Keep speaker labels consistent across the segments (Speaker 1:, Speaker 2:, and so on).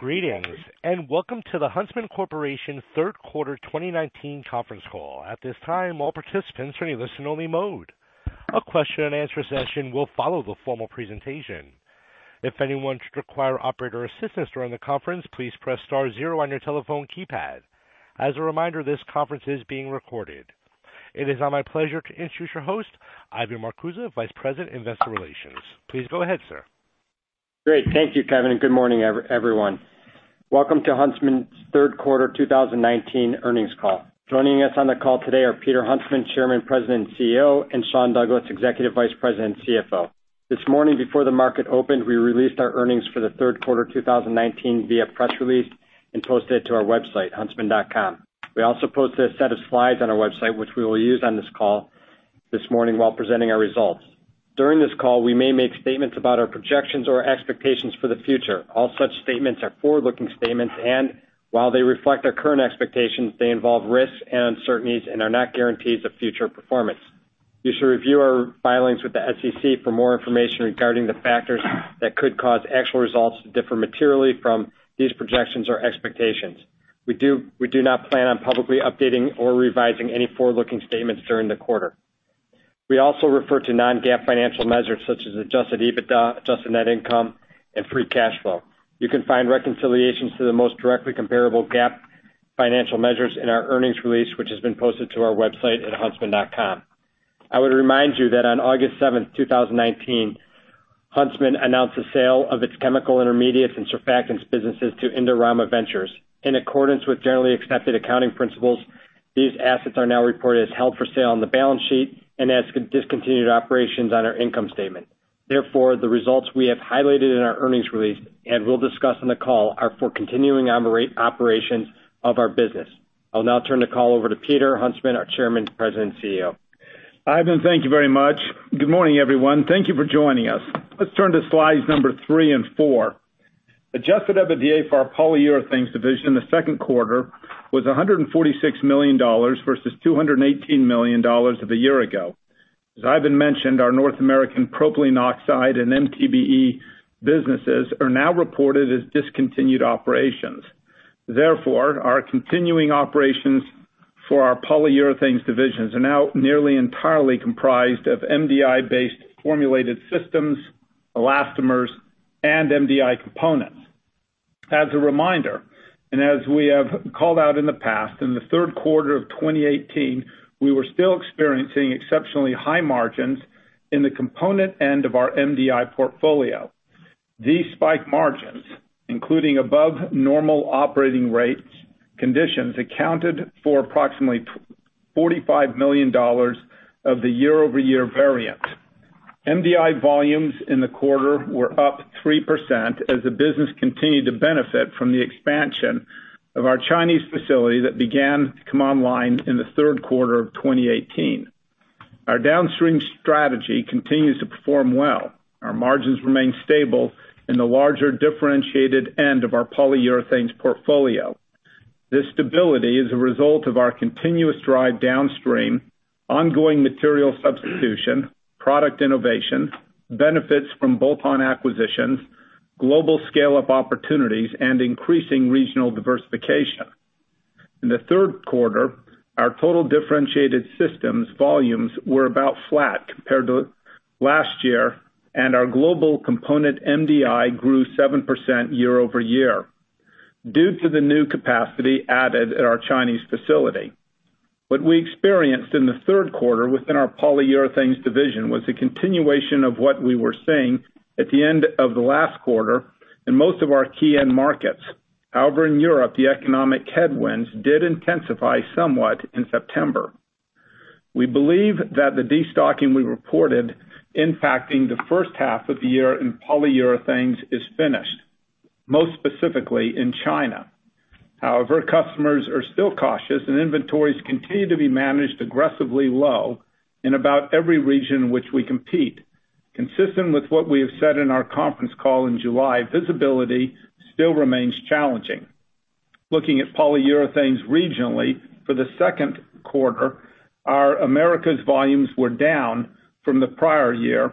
Speaker 1: Greetings, and welcome to the Huntsman Corporation third quarter 2019 conference call. At this time, all participants are in listen-only mode. A question and answer session will follow the formal presentation. If anyone should require operator assistance during the conference, please press star zero on your telephone keypad. As a reminder, this conference is being recorded. It is now my pleasure to introduce your host, Ivan Marcuse, Vice President, Investor Relations. Please go ahead, sir.
Speaker 2: Great. Thank you, Kevin, and good morning, everyone. Welcome to Huntsman's third quarter 2019 earnings call. Joining us on the call today are Peter Huntsman, Chairman, President, and CEO and Sean Douglas, Executive Vice President and CFO. This morning before the market opened, we released our earnings for the third quarter 2019 via press release and posted it to our website, huntsman.com. We also posted a set of slides on our website, which we will use on this call this morning while presenting our results. During this call, we may make statements about our projections or expectations for the future. All such statements are forward-looking statements, and while they reflect our current expectations, they involve risks and uncertainties and are not guarantees of future performance. You should review our filings with the SEC for more information regarding the factors that could cause actual results to differ materially from these projections or expectations. We do not plan on publicly updating or revising any forward-looking statements during the quarter. We also refer to non-GAAP financial measures such as adjusted EBITDA, adjusted net income, and free cash flow. You can find reconciliations to the most directly comparable GAAP financial measures in our earnings release, which has been posted to our website at huntsman.com. I would remind you that on August 7th, 2019, Huntsman announced the sale of its chemical intermediates and surfactants businesses to Indorama Ventures. In accordance with generally accepted accounting principles, these assets are now reported as held for sale on the balance sheet and as discontinued operations on our income statement. Therefore, the results we have highlighted in our earnings release and will discuss on the call are for continuing operations of our business. I'll now turn the call over to Peter Huntsman, our Chairman, President, and CEO.
Speaker 3: Ivan, thank you very much. Good morning, everyone. Thank you for joining us. Let's turn to slides number three and four. Adjusted EBITDA for our Polyurethanes division in the second quarter was $146 million versus $218 million of a year ago. As Ivan mentioned, our North American propylene oxide and MTBE businesses are now reported as discontinued operations. Therefore, our continuing operations for our Polyurethanes divisions are now nearly entirely comprised of MDI-based formulated systems, elastomers, and MDI components. As a reminder, and as we have called out in the past, in the third quarter of 2018, we were still experiencing exceptionally high margins in the component end of our MDI portfolio. These spike margins, including above normal operating rates conditions, accounted for approximately $45 million of the year-over-year variant. MDI volumes in the quarter were up 3% as the business continued to benefit from the expansion of our Chinese facility that began to come online in the third quarter of 2018. Our downstream strategy continues to perform well. Our margins remain stable in the larger differentiated end of our Polyurethanes portfolio. This stability is a result of our continuous drive downstream, ongoing material substitution, product innovation, benefits from bolt-on acquisitions, global scale-up opportunities, and increasing regional diversification. In the third quarter, our total differentiated systems volumes were about flat compared to last year, and our global component MDI grew 7% year-over-year due to the new capacity added at our Chinese facility. What we experienced in the third quarter within our Polyurethanes division was a continuation of what we were seeing at the end of the last quarter in most of our key end markets. In Europe, the economic headwinds did intensify somewhat in September. We believe that the destocking we reported impacting the first half of the year in Polyurethanes is finished, most specifically in China. Customers are still cautious, and inventories continue to be managed aggressively low in about every region in which we compete. Consistent with what we have said in our conference call in July, visibility still remains challenging. Looking at Polyurethanes regionally for the second quarter, our Americas volumes were down from the prior year.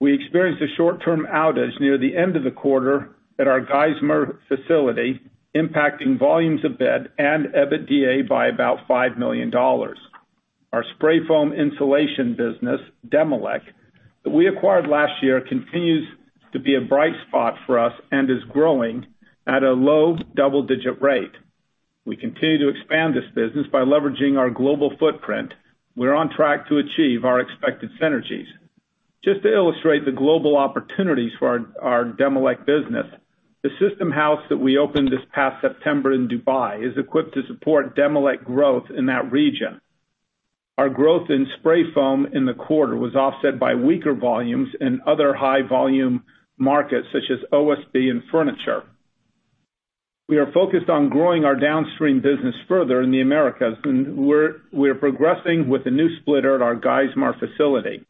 Speaker 3: We experienced a short-term outage near the end of the quarter at our Geismar facility, impacting volumes a bit and EBITDA by about $5 million. Our spray foam insulation business, Demilec, that we acquired last year, continues to be a bright spot for us and is growing at a low double-digit rate. We continue to expand this business by leveraging our global footprint. We're on track to achieve our expected synergies. Just to illustrate the global opportunities for our Demilec business, the system house that we opened this past September in Dubai is equipped to support Demilec growth in that region. Our growth in spray foam in the quarter was offset by weaker volumes in other high-volume markets such as OSB and furniture. We are focused on growing our downstream business further in the Americas, and we're progressing with a new splitter at our Geismar facility.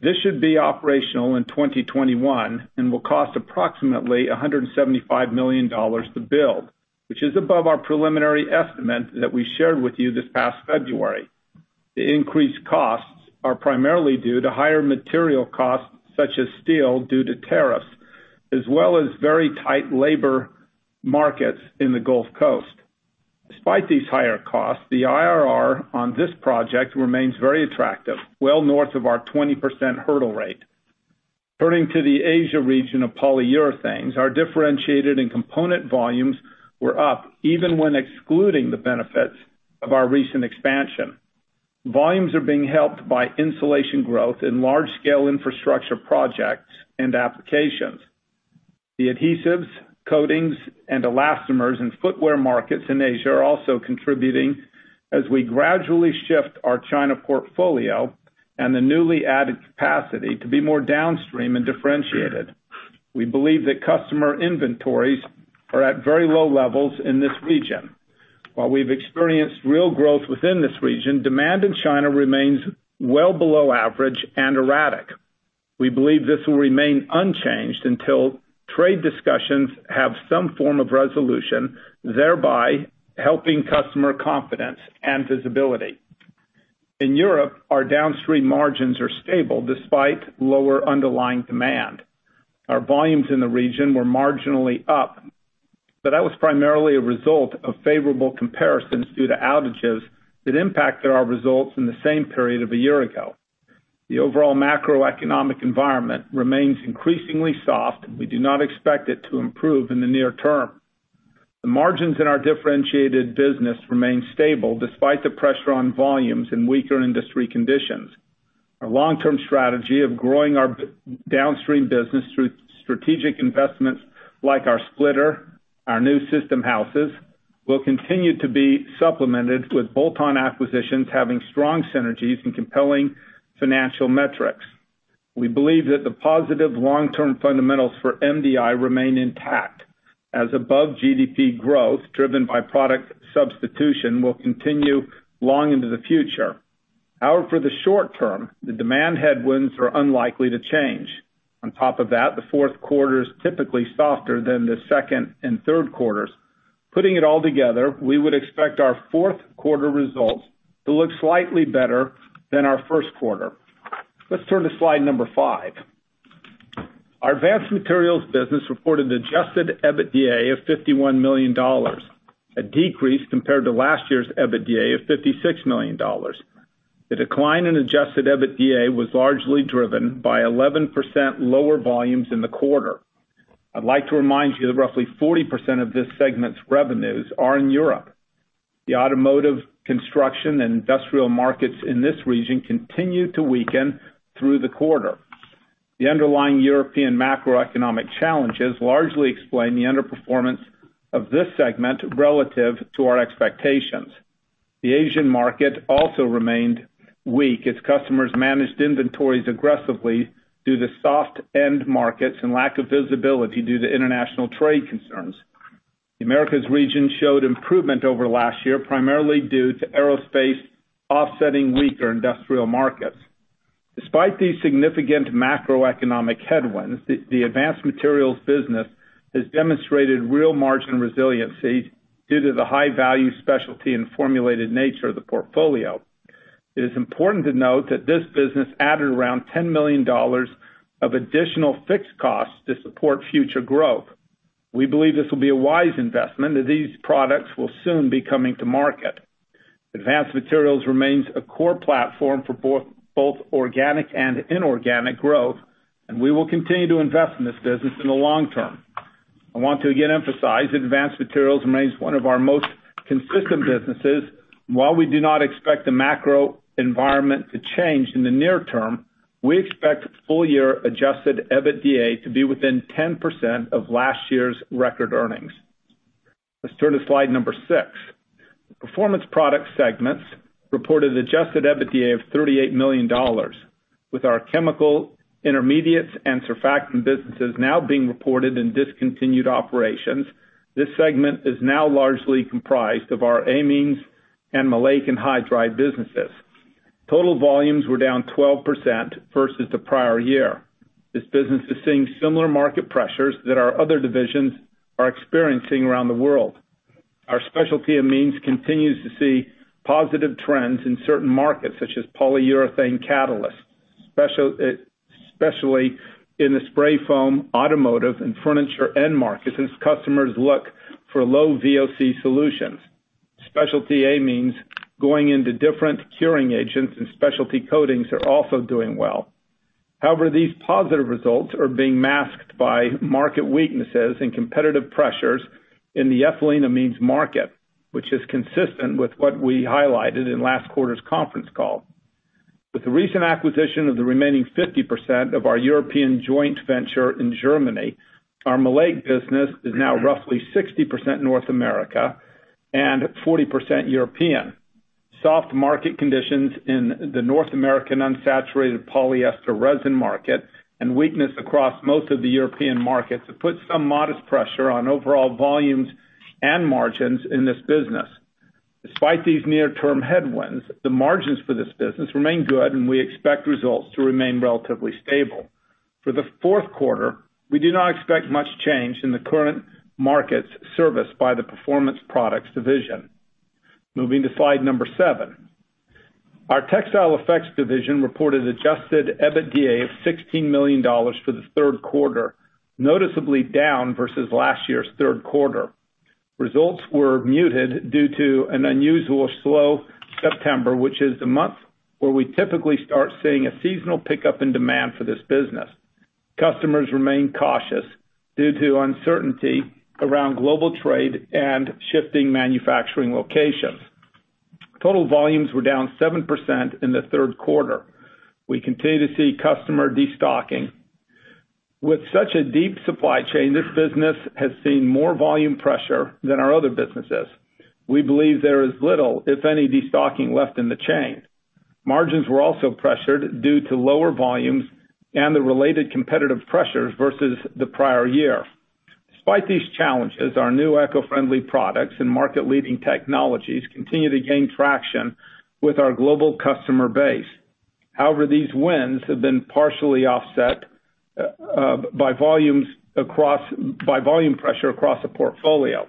Speaker 3: This should be operational in 2021 and will cost approximately $175 million to build, which is above our preliminary estimate that we shared with you this past February. The increased costs are primarily due to higher material costs, such as steel, due to tariffs, as well as very tight labor markets in the Gulf Coast. Despite these higher costs, the IRR on this project remains very attractive, well north of our 20% hurdle rate. Turning to the Asia region of Polyurethanes, our differentiated end component volumes were up even when excluding the benefits of our recent expansion. Volumes are being helped by insulation growth in large-scale infrastructure projects and applications. The adhesives, coatings, and elastomers in footwear markets in Asia are also contributing as we gradually shift our China portfolio and the newly added capacity to be more downstream and differentiated. We believe that customer inventories are at very low levels in this region. While we've experienced real growth within this region, demand in China remains well below average and erratic. We believe this will remain unchanged until trade discussions have some form of resolution, thereby helping customer confidence and visibility. In Europe, our downstream margins are stable despite lower underlying demand. Our volumes in the region were marginally up, but that was primarily a result of favorable comparisons due to outages that impacted our results in the same period of a year ago. The overall macroeconomic environment remains increasingly soft, and we do not expect it to improve in the near term. The margins in our differentiated business remain stable despite the pressure on volumes and weaker industry conditions. Our long-term strategy of growing our downstream business through strategic investments like our splitter, our new system houses, will continue to be supplemented with bolt-on acquisitions, having strong synergies and compelling financial metrics. We believe that the positive long-term fundamentals for MDI remain intact, as above GDP growth driven by product substitution will continue long into the future. However, for the short term, the demand headwinds are unlikely to change. On top of that, the fourth quarter is typically softer than the second and third quarters. Putting it all together, we would expect our fourth quarter results to look slightly better than our first quarter. Let's turn to slide number 5. Our Advanced Materials business reported adjusted EBITDA of $51 million, a decrease compared to last year's EBITDA of $56 million. The decline in adjusted EBITDA was largely driven by 11% lower volumes in the quarter. I'd like to remind you that roughly 40% of this segment's revenues are in Europe. The automotive construction and industrial markets in this region continued to weaken through the quarter. The underlying European macroeconomic challenges largely explain the underperformance of this segment relative to our expectations. The Asian market also remained weak as customers managed inventories aggressively due to soft end markets and lack of visibility due to international trade concerns. The Americas region showed improvement over last year, primarily due to aerospace offsetting weaker industrial markets. Despite these significant macroeconomic headwinds, the Advanced Materials business has demonstrated real margin resiliency due to the high-value specialty and formulated nature of the portfolio. It is important to note that this business added around $10 million of additional fixed costs to support future growth. We believe this will be a wise investment, as these products will soon be coming to market. Advanced Materials remains a core platform for both organic and inorganic growth, and we will continue to invest in this business in the long term. I want to again emphasize Advanced Materials remains one of our most consistent businesses. While we do not expect the macro environment to change in the near term, we expect full year adjusted EBITDA to be within 10% of last year's record earnings. Let's turn to slide number six. Performance Products segments reported adjusted EBITDA of $38 million. With our chemical intermediates and surfactant businesses now being reported in discontinued operations, this segment is now largely comprised of our amines and maleic anhydride businesses. Total volumes were down 12% versus the prior year. This business is seeing similar market pressures that our other divisions are experiencing around the world. Our specialty amines continues to see positive trends in certain markets, such as polyurethane catalysts, especially in the spray foam, automotive, and furniture end markets, as customers look for low VOC solutions. Specialty amines going into different curing agents and specialty coatings are also doing well. However, these positive results are being masked by market weaknesses and competitive pressures in the ethyleneamines market, which is consistent with what we highlighted in last quarter's conference call. With the recent acquisition of the remaining 50% of our European joint venture in Germany, our maleic business is now roughly 60% North America and 40% European. Soft market conditions in the North American unsaturated polyester resin market and weakness across most of the European markets have put some modest pressure on overall volumes and margins in this business. Despite these near-term headwinds, the margins for this business remain good, and we expect results to remain relatively stable. For the fourth quarter, we do not expect much change in the current markets serviced by the Performance Products division. Moving to slide number seven. Our Textile Effects division reported adjusted EBITDA of $16 million for the third quarter, noticeably down versus last year's third quarter. Results were muted due to an unusual slow September, which is the month where we typically start seeing a seasonal pickup in demand for this business. Customers remain cautious due to uncertainty around global trade and shifting manufacturing locations. Total volumes were down 7% in the third quarter. We continue to see customer destocking. With such a deep supply chain, this business has seen more volume pressure than our other businesses. We believe there is little, if any, destocking left in the chain. Margins were also pressured due to lower volumes and the related competitive pressures versus the prior year. Despite these challenges, our new eco-friendly products and market leading technologies continue to gain traction with our global customer base. However, these wins have been partially offset by volume pressure across the portfolio.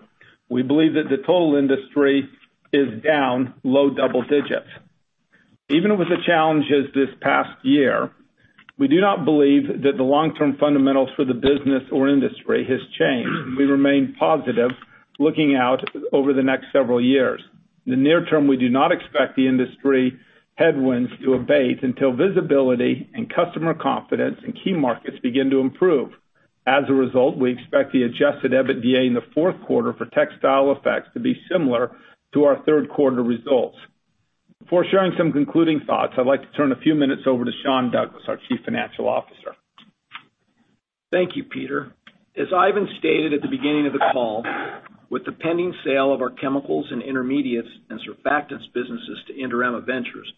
Speaker 3: We believe that the total industry is down low double digits. Even with the challenges this past year, we do not believe that the long-term fundamentals for the business or industry has changed. We remain positive looking out over the next several years. In the near term, we do not expect the industry headwinds to abate until visibility and customer confidence in key markets begin to improve. As a result, we expect the adjusted EBITDA in the fourth quarter for Textile Effects to be similar to our third quarter results. Before sharing some concluding thoughts, I'd like to turn a few minutes over to Sean Douglas, our Chief Financial Officer.
Speaker 4: Thank you, Peter. As Ivan stated at the beginning of the call, with the pending sale of our chemical intermediates and surfactants businesses to Indorama Ventures,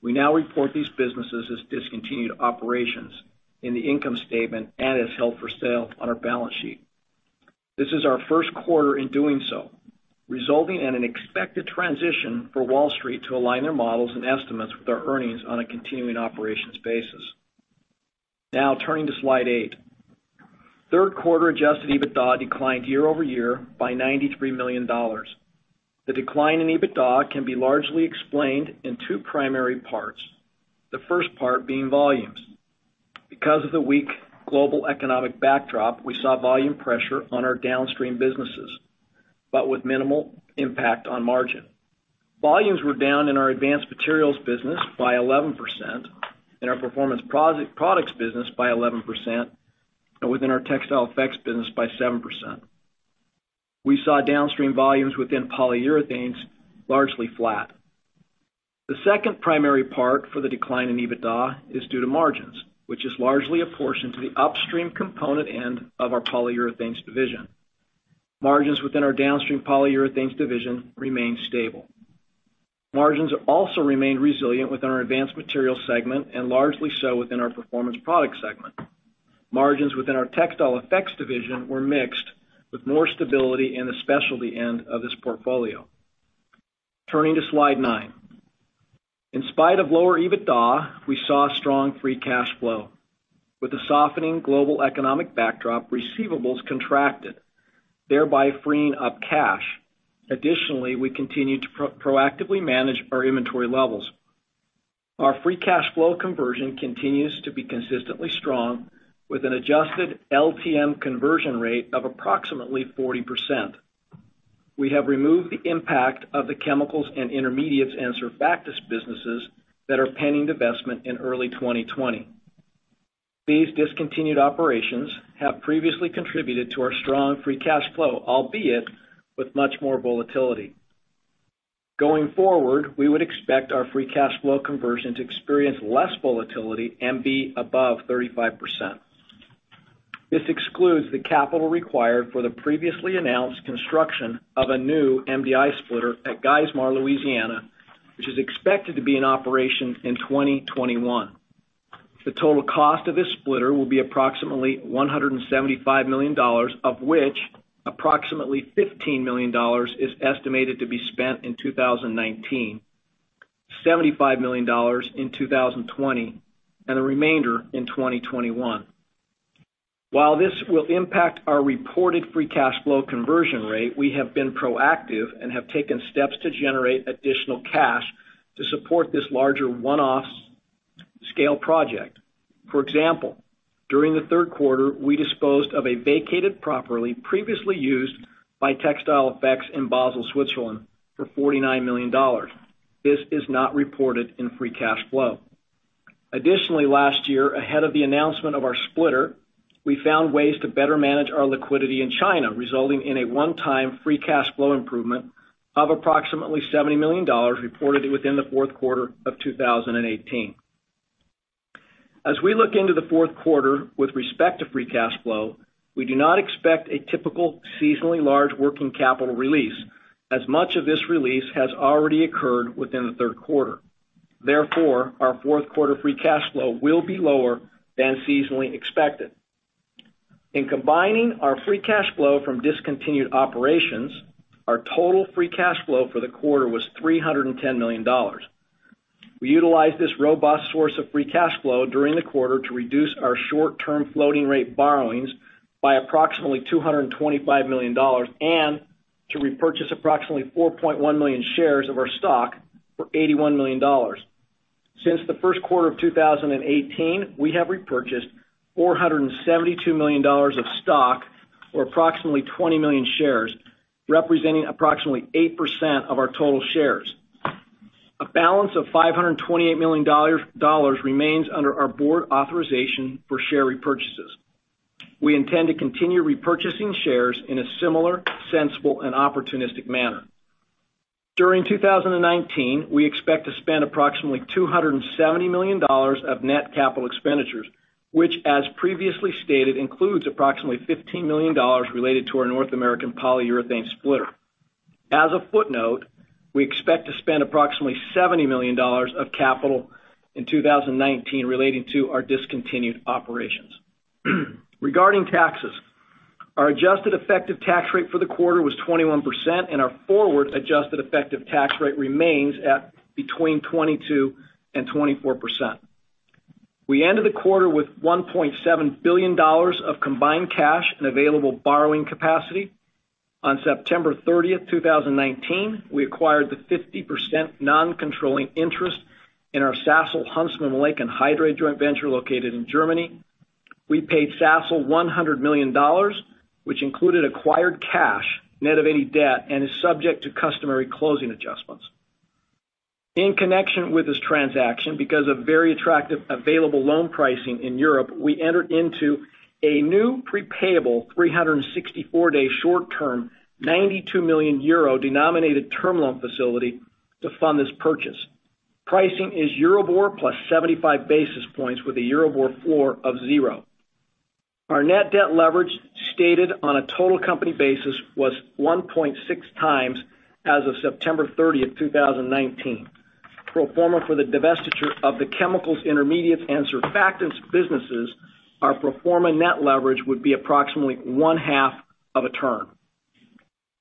Speaker 4: we now report these businesses as discontinued operations in the income statement and as held for sale on our balance sheet. This is our first quarter in doing so, resulting in an expected transition for Wall Street to align their models and estimates with our earnings on a continuing operations basis. Now turning to slide eight. Third quarter adjusted EBITDA declined year-over-year by $93 million. The decline in EBITDA can be largely explained in 2 primary parts, the first part being volumes. Because of the weak global economic backdrop, we saw volume pressure on our downstream businesses, but with minimal impact on margin. Volumes were down in our Advanced Materials business by 11%, in our Performance Products business by 11%, and within our Textile Effects business by 7%. We saw downstream volumes within Polyurethanes largely flat. The second primary part for the decline in EBITDA is due to margins, which is largely a portion to the upstream component end of our Polyurethanes division. Margins within our downstream Polyurethanes division remained stable. Margins also remained resilient within our Advanced Materials segment, and largely so within our Performance Products segment. Margins within our Textile Effects division were mixed, with more stability in the specialty end of this portfolio. Turning to slide nine. In spite of lower EBITDA, we saw strong free cash flow. With the softening global economic backdrop, receivables contracted, thereby freeing up cash. Additionally, we continued to proactively manage our inventory levels. Our free cash flow conversion continues to be consistently strong, with an adjusted LTM conversion rate of approximately 40%. We have removed the impact of the chemical intermediates and surfactants businesses that are pending divestment in early 2020. These discontinued operations have previously contributed to our strong free cash flow, albeit with much more volatility. Going forward, we would expect our free cash flow conversion to experience less volatility and be above 35%. This excludes the capital required for the previously announced construction of a new MDI splitter at Geismar, Louisiana, which is expected to be in operation in 2021. The total cost of this splitter will be approximately $175 million, of which approximately $15 million is estimated to be spent in 2019, $75 million in 2020, and the remainder in 2021. While this will impact our reported free cash flow conversion rate, we have been proactive and have taken steps to generate additional cash to support this larger one-off project. For example, during the third quarter, we disposed of a vacated property previously used by Textile Effects in Basel, Switzerland for $49 million. This is not reported in free cash flow. Additionally, last year, ahead of the announcement of our splitter, we found ways to better manage our liquidity in China, resulting in a one-time free cash flow improvement of approximately $70 million reported within the fourth quarter of 2018. As we look into the fourth quarter with respect to free cash flow, we do not expect a typical seasonally large working capital release, as much of this release has already occurred within the third quarter. Therefore, our fourth quarter free cash flow will be lower than seasonally expected. In combining our free cash flow from discontinued operations, our total free cash flow for the quarter was $310 million. We utilized this robust source of free cash flow during the quarter to reduce our short-term floating rate borrowings by approximately $225 million and to repurchase approximately 4.1 million shares of our stock for $81 million. Since the first quarter of 2018, we have repurchased $472 million of stock, or approximately 20 million shares, representing approximately 8% of our total shares. A balance of $528 million remains under our board authorization for share repurchases. We intend to continue repurchasing shares in a similar, sensible, and opportunistic manner. During 2019, we expect to spend approximately $270 million of net capital expenditures, which, as previously stated, includes approximately $15 million related to our North American polyurethane splitter. As a footnote, we expect to spend approximately $70 million of capital in 2019 relating to our discontinued operations. Regarding taxes, our adjusted effective tax rate for the quarter was 21%, and our forward adjusted effective tax rate remains at between 22% and 24%. We ended the quarter with $1.7 billion of combined cash and available borrowing capacity. On September 30th, 2019, we acquired the 50% non-controlling interest in our Sasol-Huntsman Leuna Hydride joint venture located in Germany. We paid Sasol $100 million, which included acquired cash net of any debt, and is subject to customary closing adjustments. In connection with this transaction, because of very attractive available loan pricing in Europe, we entered into a new prepaid 364-day short-term €92 million denominated term loan facility to fund this purchase. Pricing is Euribor plus 75 basis points with a Euribor floor of zero. Our net debt leverage stated on a total company basis was 1.6 times as of September 30th, 2019. Pro forma for the divestiture of the chemical intermediates and surfactants businesses, our pro forma net leverage would be approximately one-half of a turn.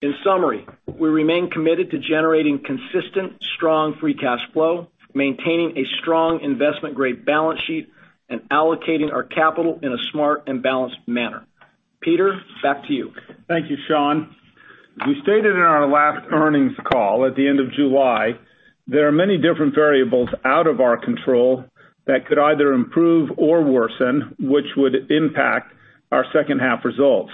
Speaker 4: In summary, we remain committed to generating consistent, strong free cash flow, maintaining a strong investment-grade balance sheet, and allocating our capital in a smart and balanced manner. Peter, back to you.
Speaker 3: Thank you, Sean. As we stated in our last earnings call at the end of July, there are many different variables out of our control that could either improve or worsen, which would impact our second half results.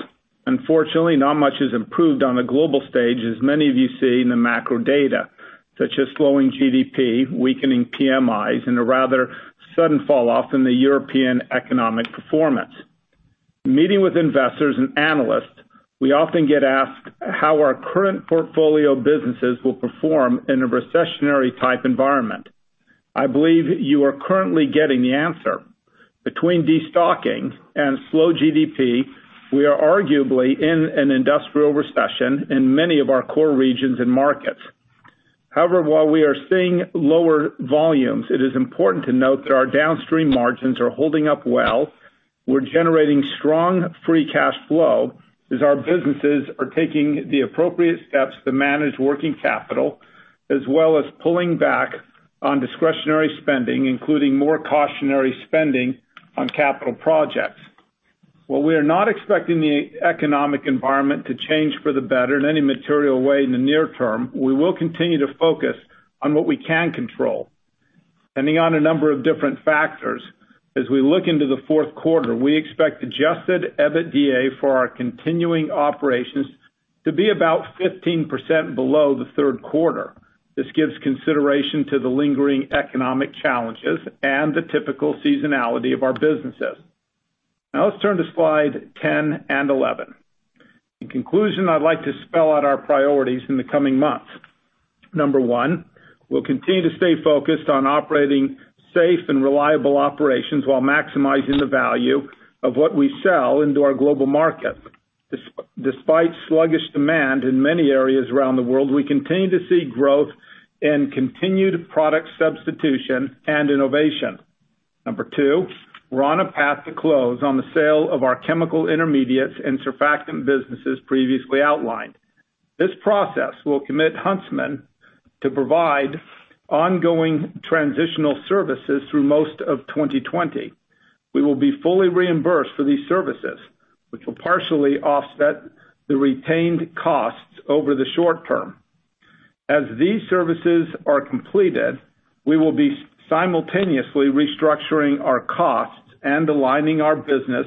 Speaker 3: Unfortunately, not much has improved on a global stage as many of you see in the macro data, such as slowing GDP, weakening PMIs, and a rather sudden falloff in the European economic performance. In meeting with investors and analysts, we often get asked how our current portfolio of businesses will perform in a recessionary type environment. I believe you are currently getting the answer. Between destocking and slow GDP, we are arguably in an industrial recession in many of our core regions and markets. However, while we are seeing lower volumes, it is important to note that our downstream margins are holding up well. We're generating strong free cash flow as our businesses are taking the appropriate steps to manage working capital, as well as pulling back on discretionary spending, including more cautionary spending on capital projects. While we are not expecting the economic environment to change for the better in any material way in the near term, we will continue to focus on what we can control. Depending on a number of different factors, as we look into the fourth quarter, we expect adjusted EBITDA for our continuing operations to be about 15% below the third quarter. This gives consideration to the lingering economic challenges and the typical seasonality of our businesses. Let's turn to slide 10 and 11. In conclusion, I'd like to spell out our priorities in the coming months. Number 1, we'll continue to stay focused on operating safe and reliable operations while maximizing the value of what we sell into our global market. Despite sluggish demand in many areas around the world, we continue to see growth and continued product substitution and innovation. Number 2, we're on a path to close on the sale of our chemical intermediates and surfactant businesses previously outlined. This process will commit Huntsman to provide ongoing transitional services through most of 2020. We will be fully reimbursed for these services, which will partially offset the retained costs over the short term. As these services are completed, we will be simultaneously restructuring our costs and aligning our business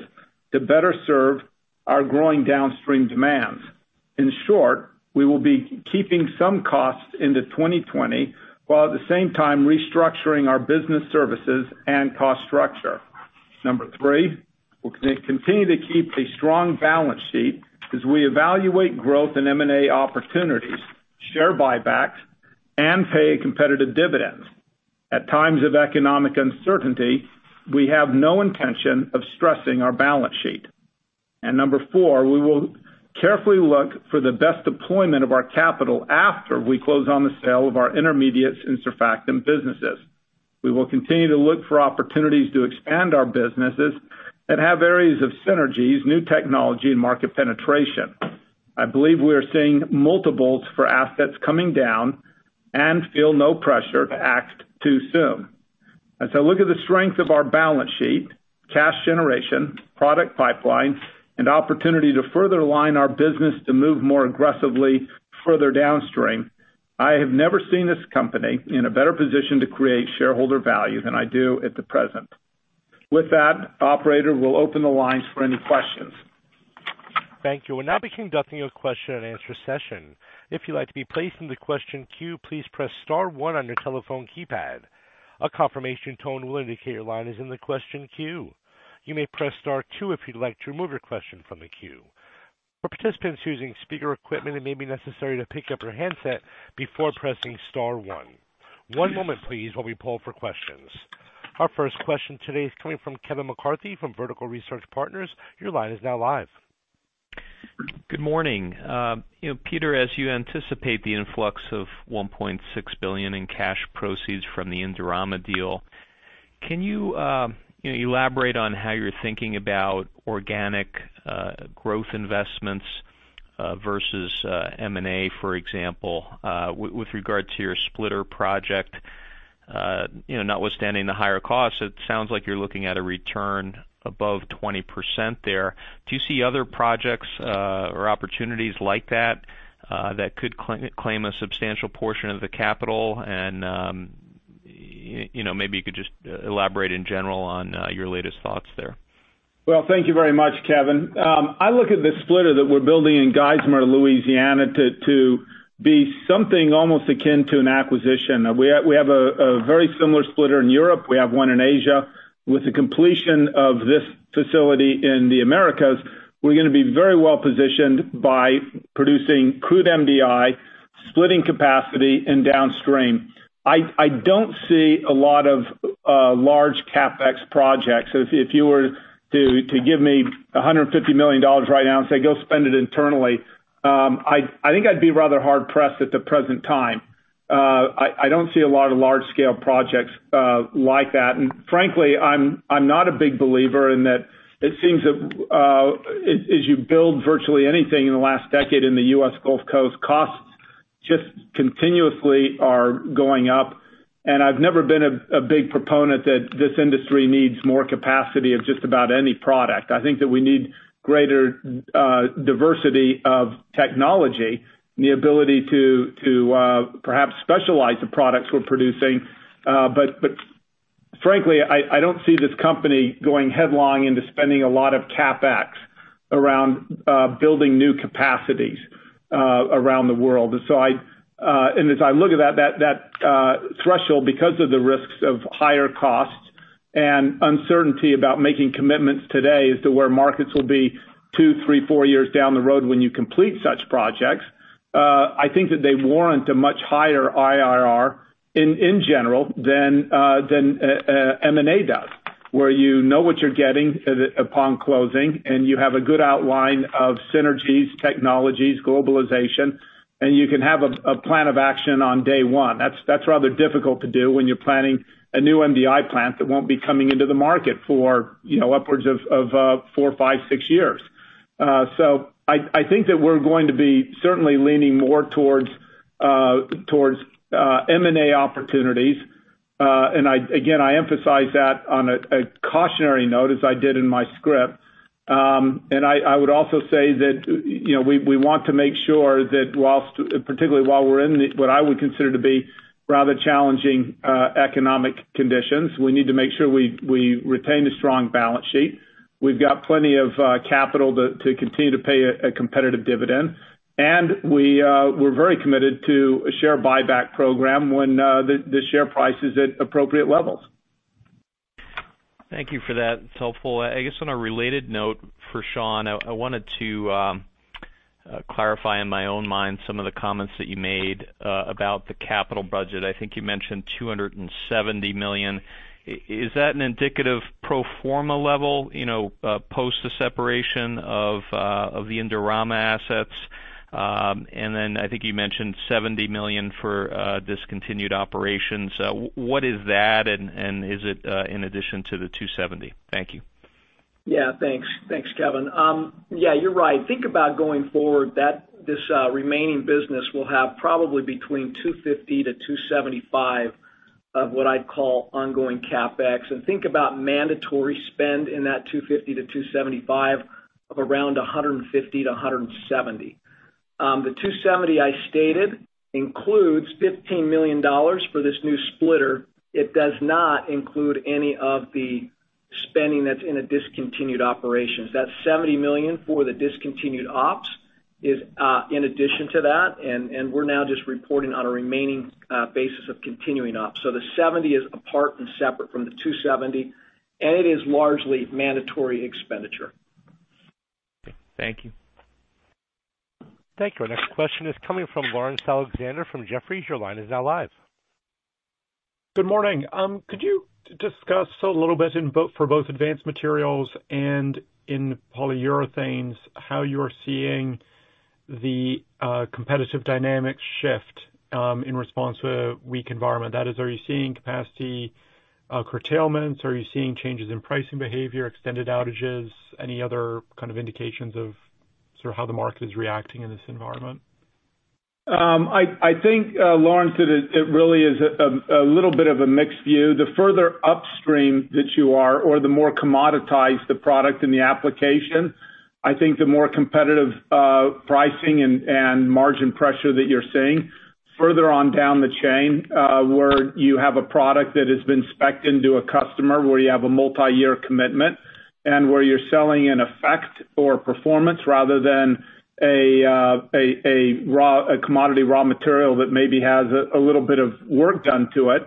Speaker 3: to better serve our growing downstream demands. In short, we will be keeping some costs into 2020, while at the same time restructuring our business services and cost structure. Number 3, we'll continue to keep a strong balance sheet as we evaluate growth and M&A opportunities, share buybacks, and pay a competitive dividend. At times of economic uncertainty, we have no intention of stressing our balance sheet. Number 4, we will carefully look for the best deployment of our capital after we close on the sale of our Intermediates and Surfactant businesses. We will continue to look for opportunities to expand our businesses that have areas of synergies, new technology, and market penetration. I believe we are seeing multiples for assets coming down and feel no pressure to act too soon. As I look at the strength of our balance sheet, cash generation, product pipeline, and opportunity to further align our business to move more aggressively further downstream, I have never seen this company in a better position to create shareholder value than I do at the present. With that, operator, we'll open the lines for any questions.
Speaker 1: Thank you. We're now conducting a question and answer session. If you'd like to be placed in the question queue, please press star 1 on your telephone keypad. A confirmation tone will indicate your line is in the question queue. You may press star 2 if you'd like to remove your question from the queue. For participants using speaker equipment, it may be necessary to pick up your handset before pressing star 1. One moment please, while we poll for questions. Our first question today is coming from Kevin McCarthy from Vertical Research Partners. Your line is now live.
Speaker 5: Good morning. Peter, as you anticipate the influx of $1.6 billion in cash proceeds from the Indorama deal, can you elaborate on how you're thinking about organic growth investments versus M&A, for example with regard to your splitter project? Notwithstanding the higher costs, it sounds like you're looking at a return above 20% there. Do you see other projects or opportunities like that could claim a substantial portion of the capital? Maybe you could just elaborate in general on your latest thoughts there.
Speaker 3: Well, thank you very much, Kevin. I look at the splitter that we're building in Geismar, Louisiana, to be something almost akin to an acquisition. We have a very similar splitter in Europe. We have one in Asia. With the completion of this facility in the Americas, we're going to be very well-positioned by producing crude MDI, splitting capacity, and downstream. I don't see a lot of large CapEx projects. If you were to give me $150 million right now and say, "Go spend it internally," I think I'd be rather hard pressed at the present time. I don't see a lot of large-scale projects like that. Frankly, I'm not a big believer in that. It seems that as you build virtually anything in the last decade in the U.S. Gulf Coast, costs just continuously are going up. I've never been a big proponent that this industry needs more capacity of just about any product. I think that we need greater diversity of technology, the ability to perhaps specialize the products we're producing. Frankly, I don't see this company going headlong into spending a lot of CapEx around building new capacities around the world. As I look at that threshold, because of the risks of higher costs and uncertainty about making commitments today as to where markets will be two, three, four years down the road when you complete such projects, I think that they warrant a much higher IRR in general than M&A does, where you know what you're getting upon closing, and you have a good outline of synergies, technologies, globalization, and you can have a plan of action on day one. That's rather difficult to do when you're planning a new MDI plant that won't be coming into the market for upwards of four, five, six years. I think that we're going to be certainly leaning more towards M&A opportunities. Again, I emphasize that on a cautionary note as I did in my script. I would also say that we want to make sure that particularly while we're in what I would consider to be rather challenging economic conditions, we need to make sure we retain a strong balance sheet. We've got plenty of capital to continue to pay a competitive dividend. We're very committed to a share buyback program when the share price is at appropriate levels.
Speaker 5: Thank you for that. It's helpful. I guess on a related note for Sean, I wanted to clarify in my own mind some of the comments that you made about the capital budget. I think you mentioned $270 million. Is that an indicative pro forma level post the separation of the Indorama assets? I think you mentioned $70 million for discontinued operations. What is that, and is it in addition to the 270? Thank you.
Speaker 4: Thanks, Kevin. You're right. Think about going forward, this remaining business will have probably between 250-275 of what I'd call ongoing CapEx. Think about mandatory spend in that 250-275 of around 150-170. The 270 I stated includes $15 million for this new splitter. It does not include any of the spending that's in a discontinued operations. That $70 million for the discontinued ops is in addition to that, and we're now just reporting on a remaining basis of continuing ops. The 70 is apart and separate from the 270, and it is largely mandatory expenditure.
Speaker 5: Thank you.
Speaker 1: Thank you. Our next question is coming from Laurence Alexander from Jefferies. Your line is now live.
Speaker 6: Good morning. Could you discuss a little bit for both Advanced Materials and in Polyurethanes, how you're seeing the competitive dynamics shift in response to a weak environment. That is, are you seeing capacity curtailments? Are you seeing changes in pricing behavior, extended outages? Any other kind of indications of how the market is reacting in this environment?
Speaker 3: I think, Laurence, it really is a little bit of a mixed view. The further upstream that you are or the more commoditized the product and the application, I think the more competitive pricing and margin pressure that you're seeing. Further on down the chain, where you have a product that has been specced into a customer, where you have a multi-year commitment, and where you're selling an effect or performance rather than a commodity raw material that maybe has a little bit of work done to it,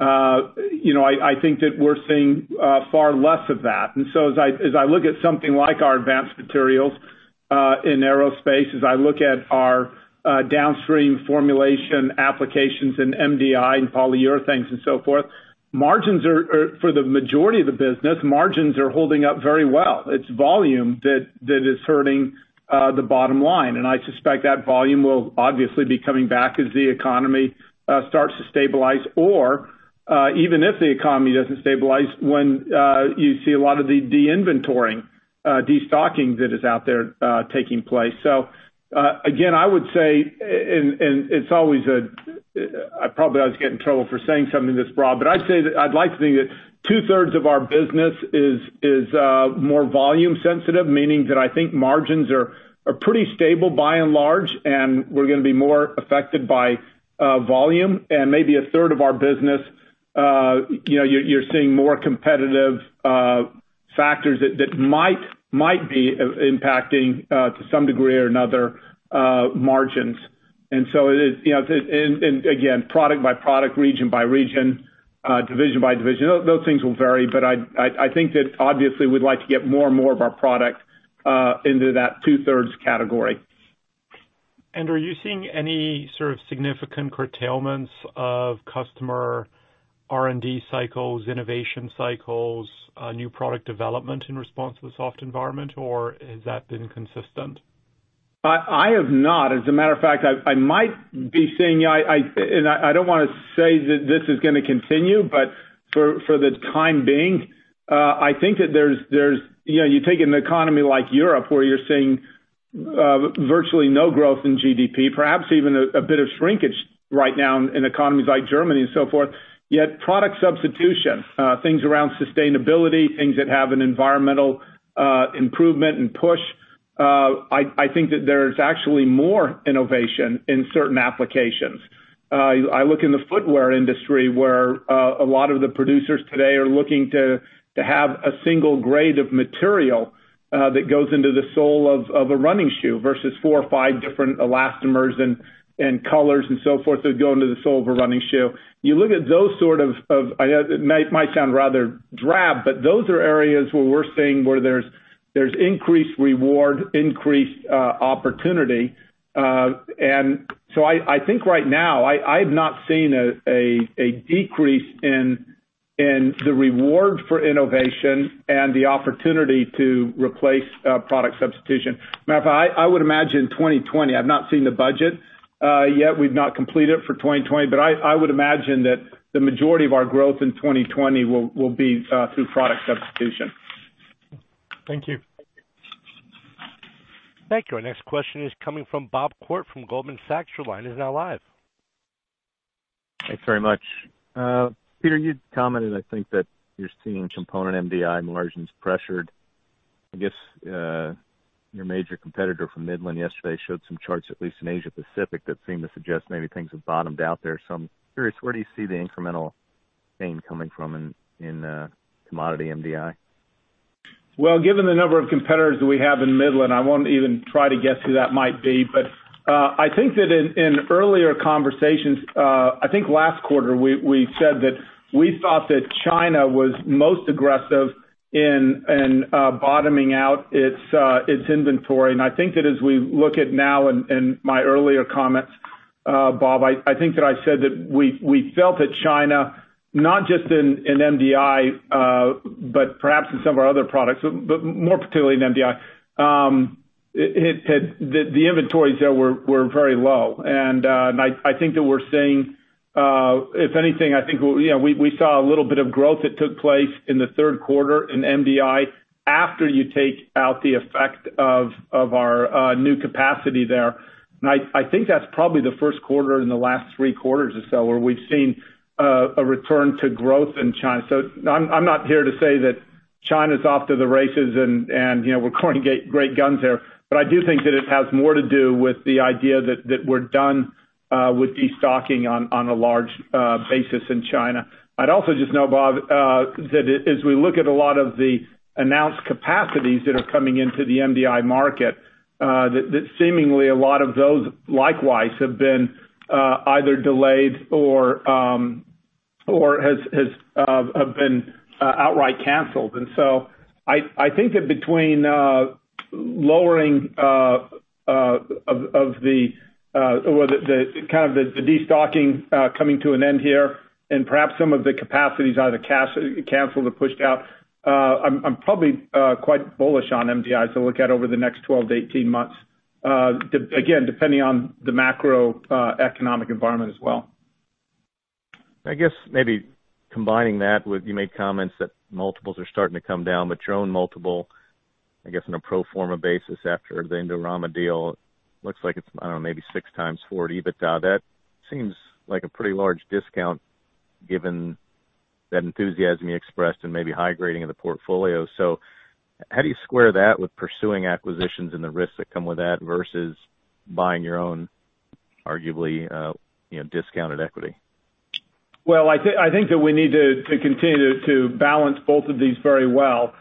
Speaker 3: I think that we're seeing far less of that. As I look at something like our Advanced Materials in aerospace, as I look at our downstream formulation applications in MDI and Polyurethanes and so forth, for the majority of the business, margins are holding up very well. It's volume that is hurting the bottom line, and I suspect that volume will obviously be coming back as the economy starts to stabilize. Even if the economy doesn't stabilize, when you see a lot of the de-inventoring, de-stocking that is out there taking place. Again, I would say, and probably I'll get in trouble for saying something this broad, but I'd like to think that two-thirds of our business is more volume sensitive, meaning that I think margins are pretty stable by and large, and we're going to be more affected by volume. Maybe a third of our business, you're seeing more competitive factors that might be impacting, to some degree or another, margins. Again, product by product, region by region, division by division, those things will vary. I think that obviously we'd like to get more and more of our product into that two-thirds category.
Speaker 6: Are you seeing any sort of significant curtailments of customer R&D cycles, innovation cycles, new product development in response to the soft environment, or has that been consistent?
Speaker 3: I have not. As a matter of fact, I might be seeing, and I don't want to say that this is going to continue, but for the time being, you take an economy like Europe where you're seeing virtually no growth in GDP, perhaps even a bit of shrinkage right now in economies like Germany and so forth, yet product substitution, things around sustainability, things that have an environmental improvement and push, I think that there's actually more innovation in certain applications. I look in the footwear industry, where a lot of the producers today are looking to have a single grade of material that goes into the sole of a running shoe versus four or five different elastomers and colors and so forth that go into the sole of a running shoe. It might sound rather drab, but those are areas where we're seeing where there's increased reward, increased opportunity. I think right now, I have not seen a decrease in the reward for innovation and the opportunity to replace product substitution. Matter of fact, I would imagine 2020, I've not seen the budget yet. We've not completed it for 2020, but I would imagine that the majority of our growth in 2020 will be through product substitution.
Speaker 6: Thank you.
Speaker 1: Thank you. Our next question is coming from Bob Koort from Goldman Sachs. Your line is now live.
Speaker 7: Thanks very much. Peter, you commented, I think, that you're seeing component MDI margins pressured. I guess your major competitor from Midland yesterday showed some charts, at least in Asia Pacific, that seem to suggest maybe things have bottomed out there. I'm curious, where do you see the incremental gain coming from in commodity MDI?
Speaker 3: Well, given the number of competitors that we have in Midland, I won't even try to guess who that might be. I think that in earlier conversations, I think last quarter, we said that we thought that China was most aggressive in bottoming out its inventory. I think that as we look at now in my earlier comments, Bob, I think that I said that we felt that China, not just in MDI but perhaps in some of our other products, but more particularly in MDI, the inventories there were very low. I think that we're seeing, if anything, we saw a little bit of growth that took place in the third quarter in MDI after you take out the effect of our new capacity there. I think that's probably the first quarter in the last three quarters or so where we've seen a return to growth in China. I'm not here to say that China's off to the races and we're going to get great guns there, but I do think that it has more to do with the idea that we're done with de-stocking on a large basis in China. I'd also just note, Bob, that as we look at a lot of the announced capacities that are coming into the MDI market, that seemingly a lot of those likewise have been either delayed or have been outright canceled. I think that between lowering of the kind of the destocking coming to an end here, and perhaps some of the capacities either canceled or pushed out. I'm probably quite bullish on MDI to look at over the next 12 to 18 months. Again, depending on the macroeconomic environment as well.
Speaker 7: I guess maybe combining that with, you made comments that multiples are starting to come down, your own multiple, I guess on a pro forma basis after the Indorama deal, looks like it's, I don't know, maybe 6x 40. That seems like a pretty large discount given that enthusiasm you expressed and maybe high grading of the portfolio. How do you square that with pursuing acquisitions and the risks that come with that versus buying your own arguably discounted equity?
Speaker 3: Well, I think that we need to continue to balance both of these very well.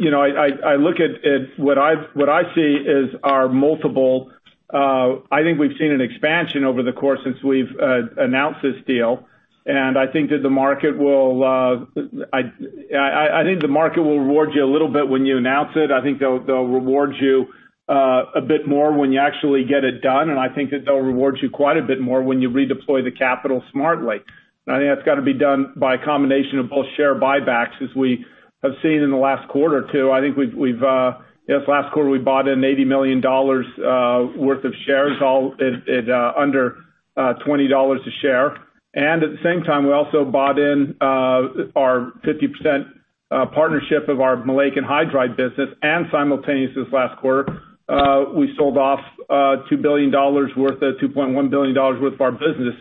Speaker 3: What I see is our multiple. I think we've seen an expansion over the course since we've announced this deal, and I think the market will reward you a little bit when you announce it. I think they'll reward you a bit more when you actually get it done, and I think that they'll reward you quite a bit more when you redeploy the capital smartly. I think that's got to be done by a combination of both share buybacks as we have seen in the last quarter too. I think this last quarter we bought in $80 million worth of shares, all under $20 a share. At the same time, we also bought in our 50% partnership of our maleic anhydride business. Simultaneous this last quarter, we sold off $2.1 billion worth of our business.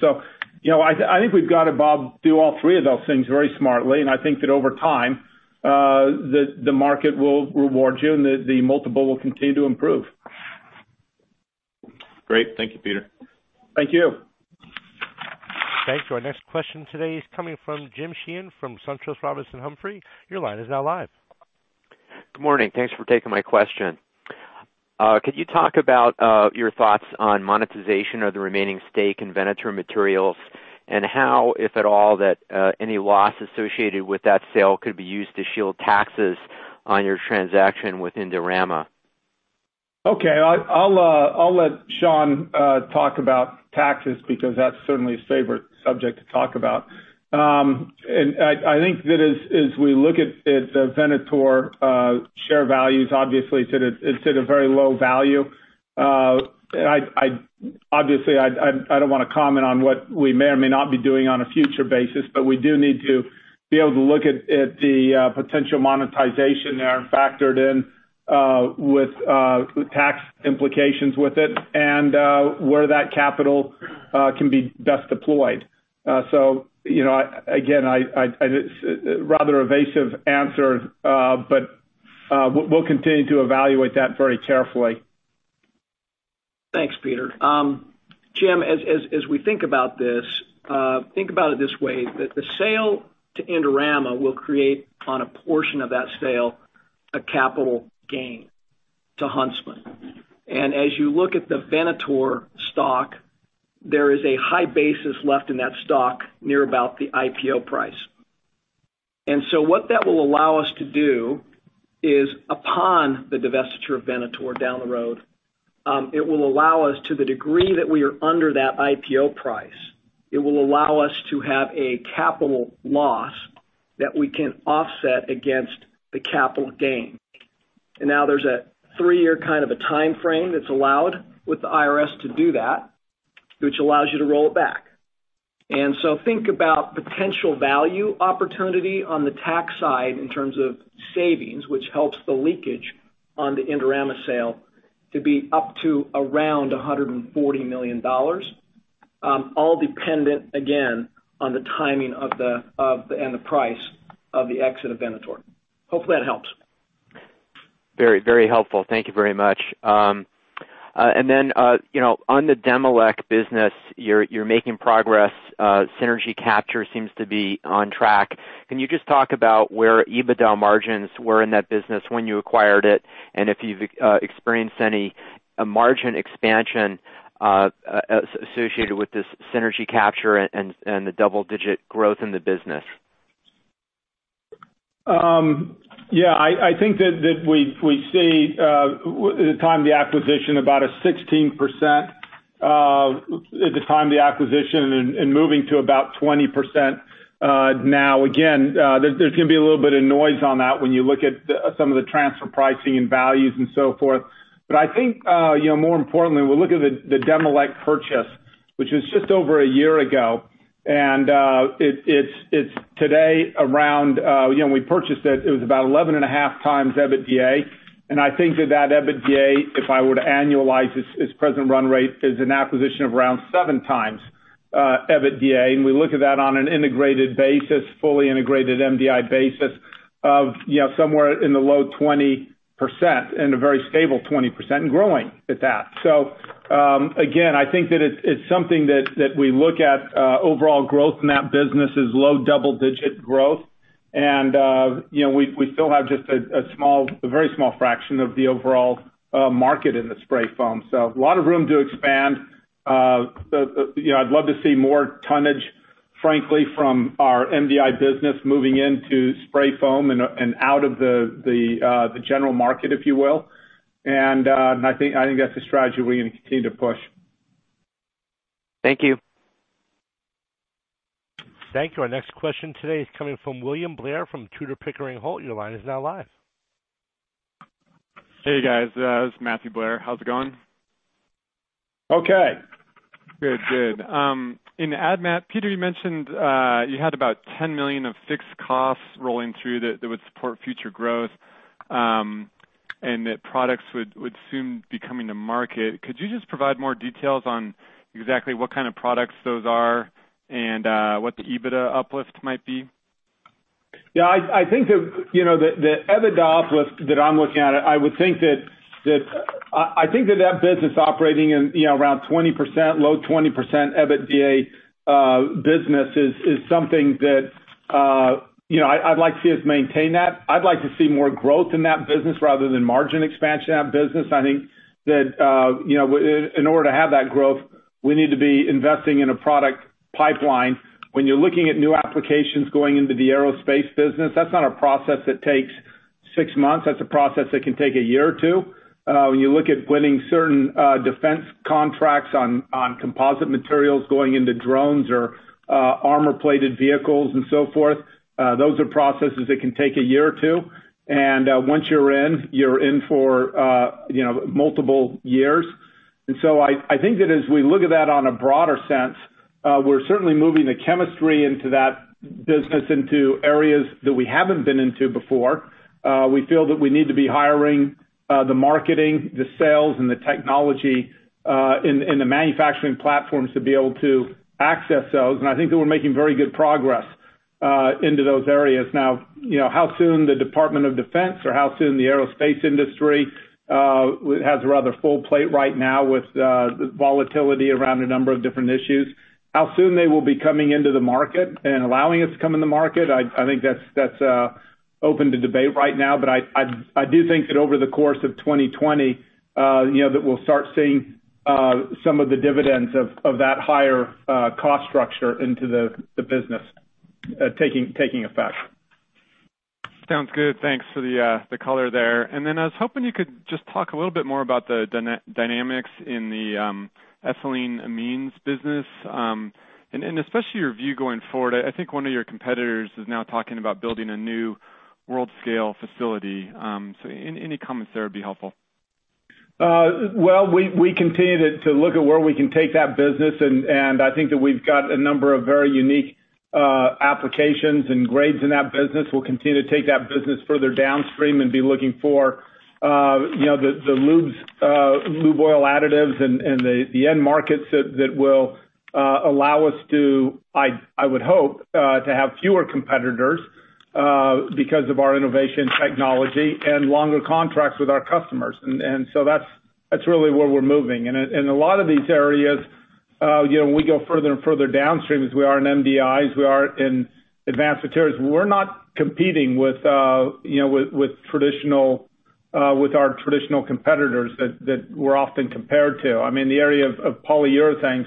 Speaker 3: I think we've got to, Bob Koort, do all three of those things very smartly, and I think that over time, the market will reward you and the multiple will continue to improve.
Speaker 7: Great. Thank you, Peter.
Speaker 3: Thank you.
Speaker 1: Thanks. Our next question today is coming from Jim Sheehan from SunTrust Robinson Humphrey. Your line is now live.
Speaker 8: Good morning. Thanks for taking my question. Could you talk about your thoughts on monetization of the remaining stake in Venator Materials and how, if at all, that any loss associated with that sale could be used to shield taxes on your transaction with Indorama?
Speaker 3: Okay. I'll let Sean talk about taxes because that's certainly his favorite subject to talk about. I think that as we look at the Venator share values, obviously it's at a very low value. Obviously, I don't want to comment on what we may or may not be doing on a future basis, but we do need to be able to look at the potential monetization there factored in with tax implications with it and where that capital can be best deployed. Again, a rather evasive answer, but we'll continue to evaluate that very carefully.
Speaker 4: Thanks, Peter. Jim, as we think about this, think about it this way, that the sale to Indorama will create, on a portion of that sale, a capital gain to Huntsman. As you look at the Venator stock, there is a high basis left in that stock near about the IPO price. So what that will allow us to do is upon the divestiture of Venator down the road, it will allow us to the degree that we are under that IPO price. It will allow us to have a capital loss that we can offset against the capital gain. Now there's a three-year kind of a timeframe that's allowed with the IRS to do that, which allows you to roll it back. Think about potential value opportunity on the tax side in terms of savings, which helps the leakage on the Indorama sale to be up to around $140 million. All dependent, again, on the timing and the price of the exit of Venator. Hopefully, that helps.
Speaker 8: Very helpful. Thank you very much. On the Demilec business, you're making progress. Synergy capture seems to be on track. Can you just talk about where EBITDA margins were in that business when you acquired it, and if you've experienced any margin expansion associated with this synergy capture and the double-digit growth in the business?
Speaker 3: Yeah, I think that we see, at the time of the acquisition, about a 16%, at the time of the acquisition and moving to about 20% now. Again, there can be a little bit of noise on that when you look at some of the transfer pricing and values and so forth. But I think more importantly, when we look at the Demilec purchase, which was just over one year ago, and it's today around when we purchased it was about 11.5 times EBITDA. And I think that that EBITDA, if I were to annualize its present run rate, is an acquisition of around seven times EBITDA. And we look at that on an integrated basis, fully integrated MDI basis of somewhere in the low 20% and a very stable 20% and growing at that. Again, I think that it's something that we look at overall growth in that business is low double-digit growth. We still have just a very small fraction of the overall market in the spray foam. A lot of room to expand. I'd love to see more tonnage, frankly, from our MDI business moving into spray foam and out of the general market, if you will. I think that's a strategy we're going to continue to push.
Speaker 8: Thank you.
Speaker 1: Thank you. Our next question today is coming from Matthew Blair from Tudor, Pickering, Holt & Co. Your line is now live.
Speaker 9: Hey, guys. This is Matthew Blair. How's it going?
Speaker 3: Okay.
Speaker 9: Good. In Advanced Materials, Peter, you mentioned you had about $10 million of fixed costs rolling through that would support future growth, and that products would soon be coming to market. Could you just provide more details on exactly what kind of products those are and what the EBITDA uplift might be?
Speaker 3: I think the EBITDA uplift that I'm looking at, I would think that that business operating in around low 20% EBITDA business is something that I'd like to see us maintain that. I'd like to see more growth in that business rather than margin expansion in that business. I think that in order to have that growth, we need to be investing in a product pipeline. When you're looking at new applications going into the aerospace business, that's not a process that takes 6 months. That's a process that can take a year or 2. When you look at winning certain defense contracts on composite materials going into drones or armor-plated vehicles and so forth, those are processes that can take a year or 2. Once you're in, you're in for multiple years. I think that as we look at that on a broader sense, we're certainly moving the chemistry into that business into areas that we haven't been into before. We feel that we need to be hiring the marketing, the sales, and the technology, and the manufacturing platforms to be able to access those. I think that we're making very good progress into those areas. Now, how soon the Department of Defense or how soon the aerospace industry has a rather full plate right now with the volatility around a number of different issues. How soon they will be coming into the market and allowing us to come in the market, I think that's open to debate right now. I do think that over the course of 2020, that we'll start seeing some of the dividends of that higher cost structure into the business taking effect.
Speaker 9: Sounds good. Thanks for the color there. I was hoping you could just talk a little bit more about the dynamics in the ethyleneamines business, and especially your view going forward. I think one of your competitors is now talking about building a new world-scale facility. Any comments there would be helpful.
Speaker 3: Well, we continue to look at where we can take that business, and I think that we've got a number of very unique applications and grades in that business. We'll continue to take that business further downstream and be looking for the lube oil additives and the end markets that will allow us to, I would hope, to have fewer competitors because of our innovation technology and longer contracts with our customers. That's really where we're moving. A lot of these areas, when we go further and further downstream, as we are in MDIs, we are in Advanced Materials. We're not competing with our traditional competitors that we're often compared to. I mean, the area of Polyurethanes,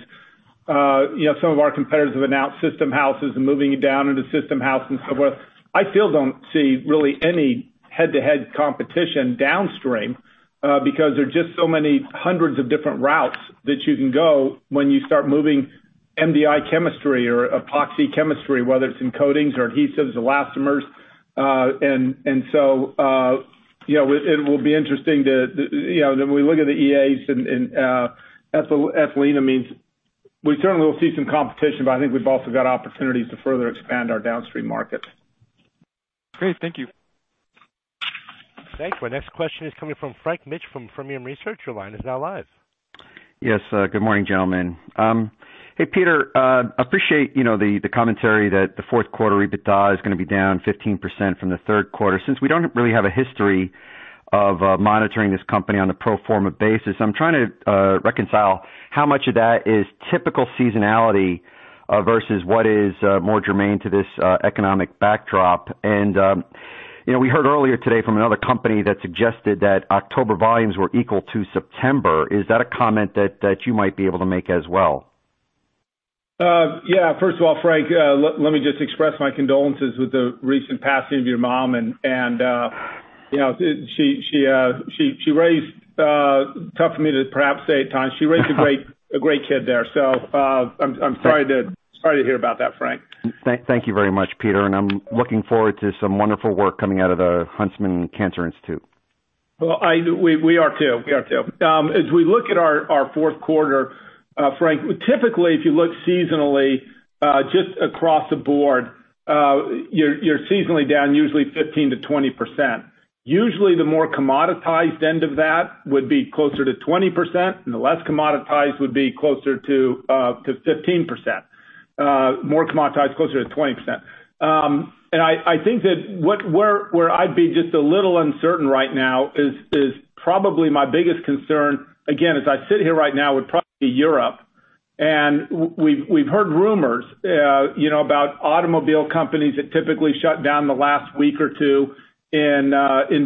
Speaker 3: some of our competitors have announced system houses and moving it down into system houses and so forth. I still don't see really any head-to-head competition downstream because there are just so many hundreds of different routes that you can go when you start moving MDI chemistry or epoxy chemistry, whether it's in coatings or adhesives, elastomers. It will be interesting when we look at the EAs and ethylenamines, we certainly will see some competition, but I think we've also got opportunities to further expand our downstream markets.
Speaker 9: Great. Thank you.
Speaker 1: Thank you. Our next question is coming from Frank Mitsch from Fermium Research. Your line is now live.
Speaker 10: Yes. Good morning, gentlemen. Hey, Peter, appreciate the commentary that the fourth quarter EBITDA is going to be down 15% from the third quarter. Since we don't really have a history of monitoring this company on a pro forma basis, I'm trying to reconcile how much of that is typical seasonality versus what is more germane to this economic backdrop. We heard earlier today from another company that suggested that October volumes were equal to September. Is that a comment that you might be able to make as well?
Speaker 3: Yeah. First of all, Frank, let me just express my condolences with the recent passing of your mom. Tough for me to perhaps say at times. She raised a great kid there. I'm sorry to hear about that, Frank.
Speaker 10: Thank you very much, Peter, and I'm looking forward to some wonderful work coming out of the Huntsman Cancer Institute.
Speaker 3: Well, we are too. As we look at our fourth quarter, Frank, typically, if you look seasonally just across the board, you're seasonally down usually 15%-20%. Usually, the more commoditized end of that would be closer to 20%, and the less commoditized would be closer to 15%. More commoditized, closer to 20%. I think that where I'd be just a little uncertain right now is probably my biggest concern, again, as I sit here right now, would probably be Europe. We've heard rumors about automobile companies that typically shut down the last week or two in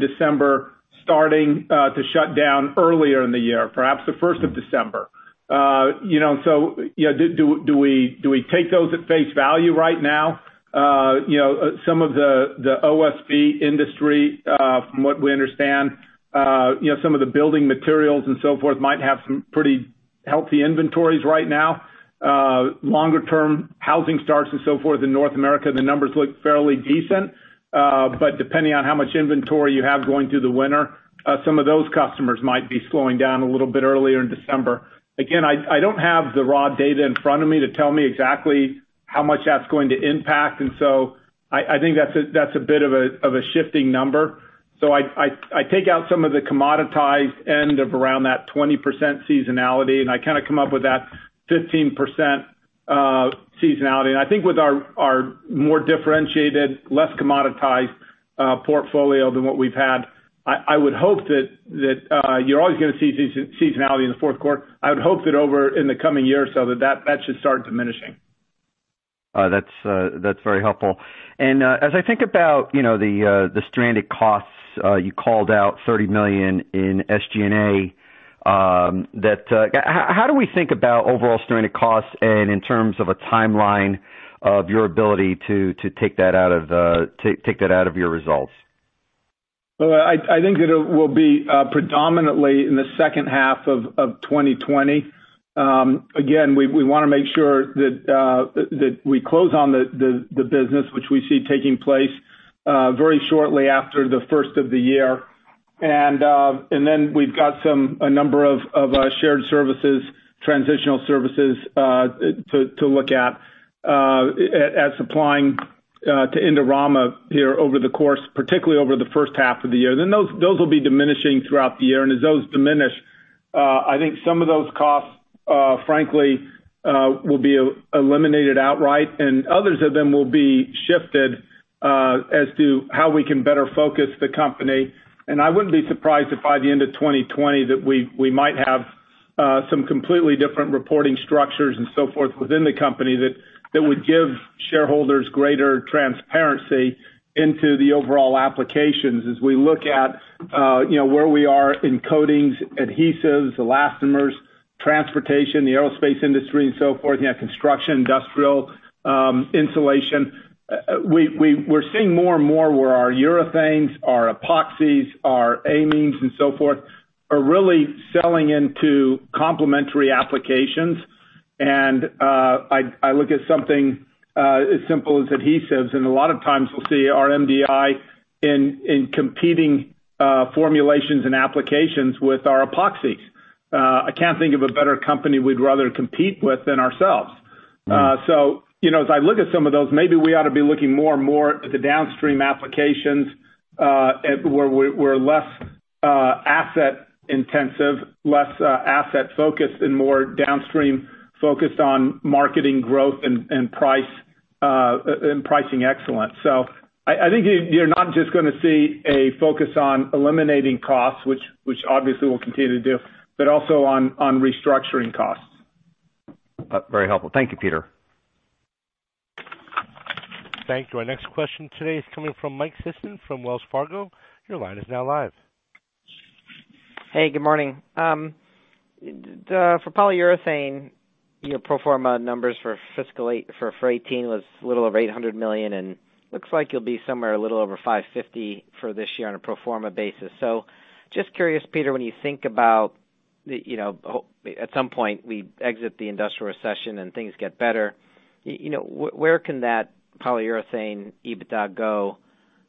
Speaker 3: December starting to shut down earlier in the year, perhaps the 1st of December. Do we take those at face value right now? Some of the OSB industry, from what we understand, some of the building materials and so forth might have some pretty healthy inventories right now. Longer term housing starts and so forth in North America, the numbers look fairly decent. Depending on how much inventory you have going through the winter, some of those customers might be slowing down a little bit earlier in December. Again, I don't have the raw data in front of me to tell me exactly how much that's going to impact. I think that's a bit of a shifting number. I take out some of the commoditized end of around that 20% seasonality, and I kind of come up with that 15% seasonality. I think with our more differentiated, less commoditized portfolio than what we've had, I would hope that you're always going to see seasonality in the fourth quarter. I would hope that over in the coming year or so that that should start diminishing.
Speaker 10: That's very helpful. As I think about the stranded costs, you called out $30 million in SG&A. How do we think about overall stranded costs and in terms of a timeline of your ability to take that out of your results?
Speaker 3: Well, I think that it will be predominantly in the second half of 2020. We want to make sure that we close on the business, which we see taking place very shortly after the first of the year. We've got a number of shared services, transitional services to look at supplying to Indorama here over the course, particularly over the first half of the year. Those will be diminishing throughout the year. As those diminish, I think some of those costs, frankly, will be eliminated outright, and others of them will be shifted as to how we can better focus the company. I wouldn't be surprised if by the end of 2020 that we might have some completely different reporting structures and so forth within the company that would give shareholders greater transparency into the overall applications as we look at where we are in coatings, adhesives, elastomers, transportation, the aerospace industry and so forth, construction, industrial insulation. We're seeing more and more where our urethanes, our epoxies, our amines and so forth are really selling into complementary applications. I look at something as simple as adhesives, and a lot of times we'll see our MDI in competing formulations and applications with our epoxies. I can't think of a better company we'd rather compete with than ourselves. As I look at some of those, maybe we ought to be looking more and more at the downstream applications where we're less asset intensive, less asset focused, and more downstream focused on marketing growth and pricing excellence. I think you're not just going to see a focus on eliminating costs, which obviously we'll continue to do, but also on restructuring costs.
Speaker 10: Very helpful. Thank you, Peter.
Speaker 1: Thank you. Our next question today is coming from Mike Sison from Wells Fargo. Your line is now live.
Speaker 11: Hey, good morning. For polyurethane, your pro forma numbers for fiscal for 2018 was a little over $800 million, looks like you'll be somewhere a little over $550 million for this year on a pro forma basis. Just curious, Peter, when you think about at some point we exit the industrial recession and things get better, where can that polyurethane EBITDA go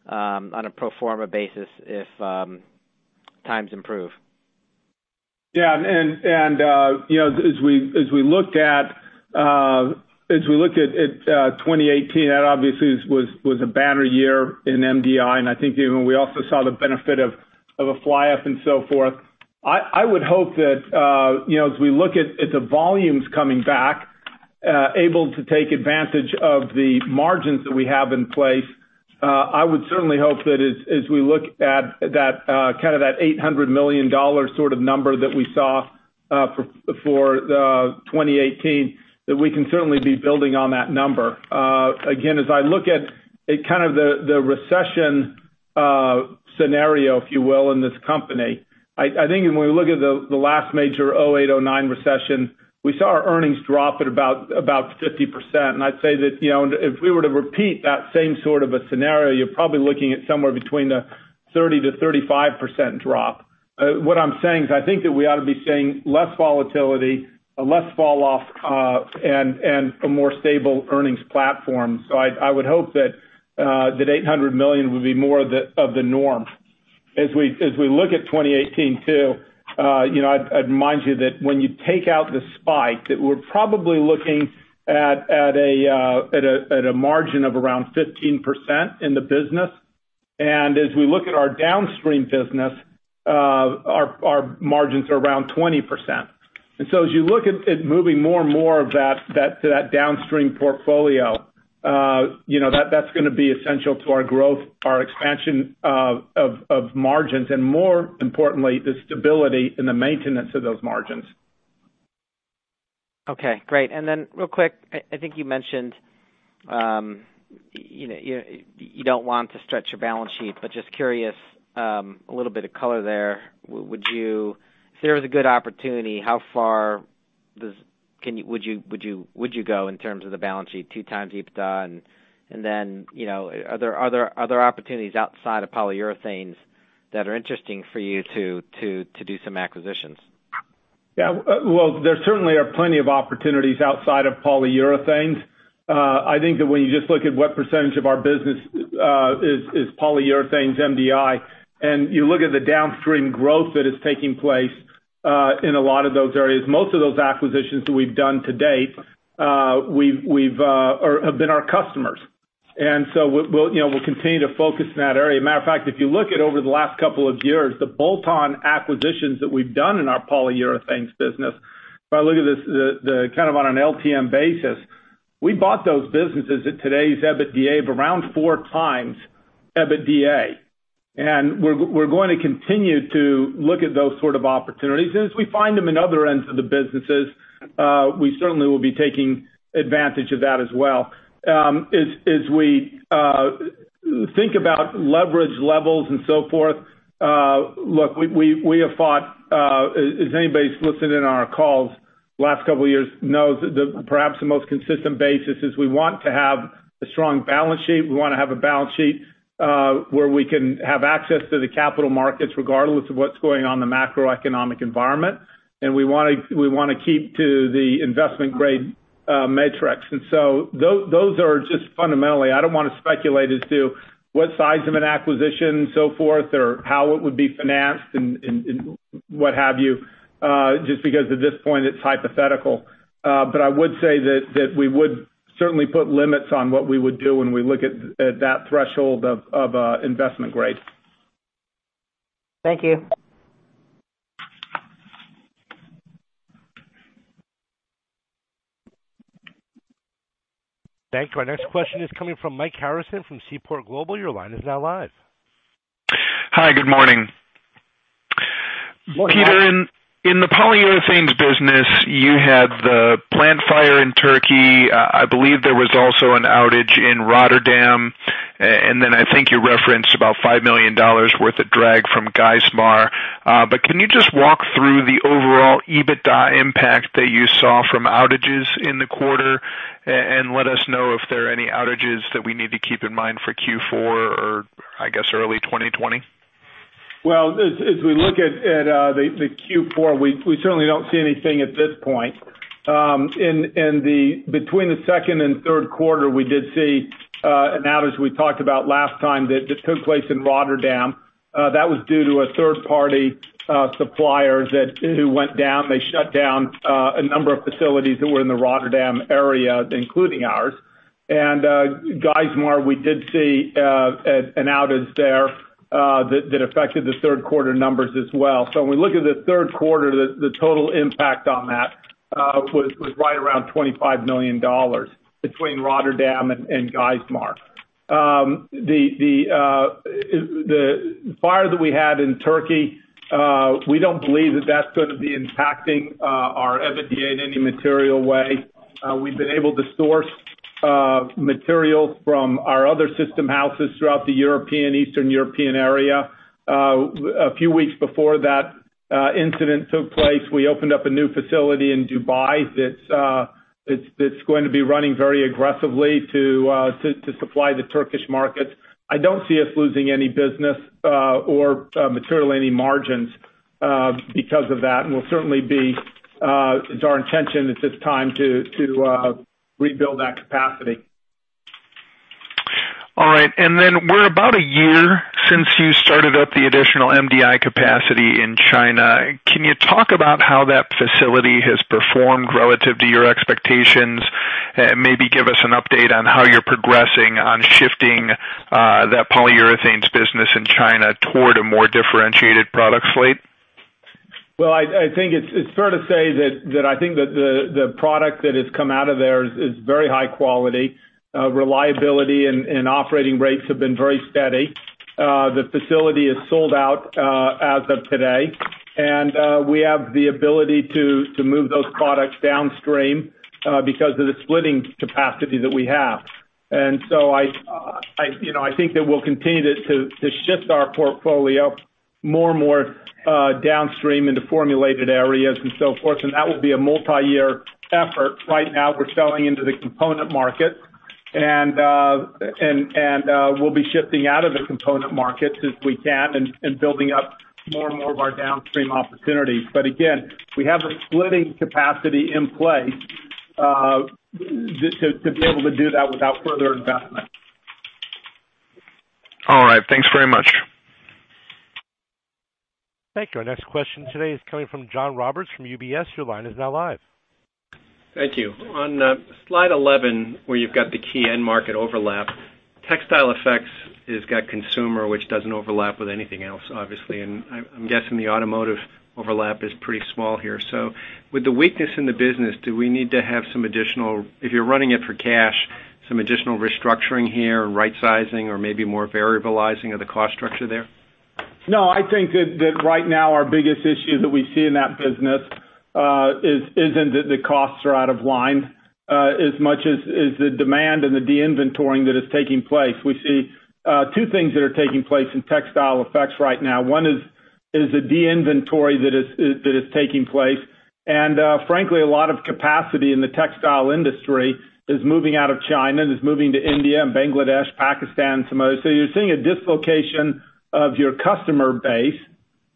Speaker 11: on a pro forma basis if times improve?
Speaker 3: Yeah. As we looked at 2018, that obviously was a banner year in MDI, and I think even we also saw the benefit of a fly-up and so forth. I would hope that as we look at the volumes coming back, able to take advantage of the margins that we have in place, I would certainly hope that as we look at that kind of that $800 million sort of number that we saw for 2018, that we can certainly be building on that number. Again, as I look at kind of the recession scenario, if you will, in this company, I think when we look at the last major 2008, 2009 recession, we saw our earnings drop at about 50%. I'd say that if we were to repeat that same sort of a scenario, you're probably looking at somewhere between a 30%-35% drop. What I'm saying is I think that we ought to be seeing less volatility, a less fall off, and a more stable earnings platform. I would hope that $800 million would be more of the norm. As we look at 2018 too, I'd remind you that when you take out the spike, that we're probably looking at a margin of around 15% in the business. As we look at our downstream business, our margins are around 20%. As you look at moving more and more of that to that downstream portfolio, that's going to be essential to our growth, our expansion of margins, and more importantly, the stability and the maintenance of those margins.
Speaker 11: Okay, great. Real quick, I think you mentioned you don't want to stretch your balance sheet, but just curious, a little bit of color there. If there was a good opportunity, how far would you go in terms of the balance sheet, 2 times EBITDA? Are there other opportunities outside of Polyurethanes that are interesting for you to do some acquisitions?
Speaker 3: Yeah. Well, there certainly are plenty of opportunities outside of Polyurethanes. I think that when you just look at what percentage of our business is Polyurethanes MDI, and you look at the downstream growth that is taking place in a lot of those areas, most of those acquisitions that we've done to date have been our customers. And so we'll continue to focus in that area. Matter of fact, if you look at over the last couple of years, the bolt-on acquisitions that we've done in our Polyurethanes business, if I look at this kind of on an LTM basis, we bought those businesses at today's EBITDA of around four times EBITDA. And as we find them in other ends of the businesses, we certainly will be taking advantage of that as well. As we think about leverage levels and so forth, look, we have thought, as anybody's listened in on our calls the last couple of years knows that perhaps the most consistent basis is we want to have a strong balance sheet. We want to have a balance sheet where we can have access to the capital markets regardless of what's going on in the macroeconomic environment. We want to keep to the investment-grade metrics. Those are just fundamentally, I don't want to speculate as to what size of an acquisition so forth, or how it would be financed and what have you, just because at this point it's hypothetical. I would say that we would certainly put limits on what we would do when we look at that threshold of investment grade.
Speaker 11: Thank you.
Speaker 1: Thank you. Our next question is coming from Mike Harrison from Seaport Global. Your line is now live.
Speaker 12: Hi, good morning.
Speaker 3: Morning.
Speaker 12: Peter, in the Polyurethanes business, you had the plant fire in Turkey. I believe there was also an outage in Rotterdam, I think you referenced about $5 million worth of drag from Geismar. Can you just walk through the overall EBITDA impact that you saw from outages in the quarter? Let us know if there are any outages that we need to keep in mind for Q4 or, I guess, early 2020.
Speaker 3: Well, as we look at the Q4, we certainly don't see anything at this point. Between the second and third quarter, we did see an outage we talked about last time that took place in Rotterdam. That was due to a third-party supplier who went down. They shut down a number of facilities that were in the Rotterdam area, including ours. Geismar, we did see an outage there that affected the third quarter numbers as well. When we look at the third quarter, the total impact on that was right around $25 million, between Rotterdam and Geismar. The fire that we had in Turkey, we don't believe that that's going to be impacting our EBITDA in any material way. We've been able to source materials from our other system houses throughout the European, Eastern European area. A few weeks before that incident took place, we opened up a new facility in Dubai that's going to be running very aggressively to supply the Turkish markets. I don't see us losing any business or materially any margins because of that, and it's our intention at this time to rebuild that capacity.
Speaker 12: All right. We're about a year since you started up the additional MDI capacity in China. Can you talk about how that facility has performed relative to your expectations? Maybe give us an update on how you're progressing on shifting that Polyurethanes business in China toward a more differentiated product slate.
Speaker 3: Well, I think it's fair to say that I think that the product that has come out of there is very high quality. Reliability and operating rates have been very steady. The facility is sold out as of today. We have the ability to move those products downstream because of the splitting capacity that we have. I think that we'll continue to shift our portfolio more and more downstream into formulated areas and so forth, and that will be a multi-year effort. Right now, we're selling into the component market, and we'll be shifting out of the component market as we can and building up more and more of our downstream opportunities. Again, we have the splitting capacity in place to be able to do that without further investment.
Speaker 12: All right. Thanks very much.
Speaker 1: Thank you. Our next question today is coming from John Roberts from UBS. Your line is now live.
Speaker 13: Thank you. On slide 11, where you've got the key end market overlap, Textile Effects has got consumer, which doesn't overlap with anything else, obviously, and I'm guessing the automotive overlap is pretty small here. With the weakness in the business, do we need to have some additional, if you're running it for cash, some additional restructuring here and rightsizing or maybe more variabilizing of the cost structure there?
Speaker 3: No, I think that right now our biggest issue that we see in that business isn't that the costs are out of line, as much as the demand and the de-inventoring that is taking place. We see two things that are taking place in Textile Effects right now. One is the de-inventory that is taking place. Frankly, a lot of capacity in the textile industry is moving out of China, and is moving to India and Bangladesh, Pakistan, Samoa. You're seeing a dislocation of your customer base,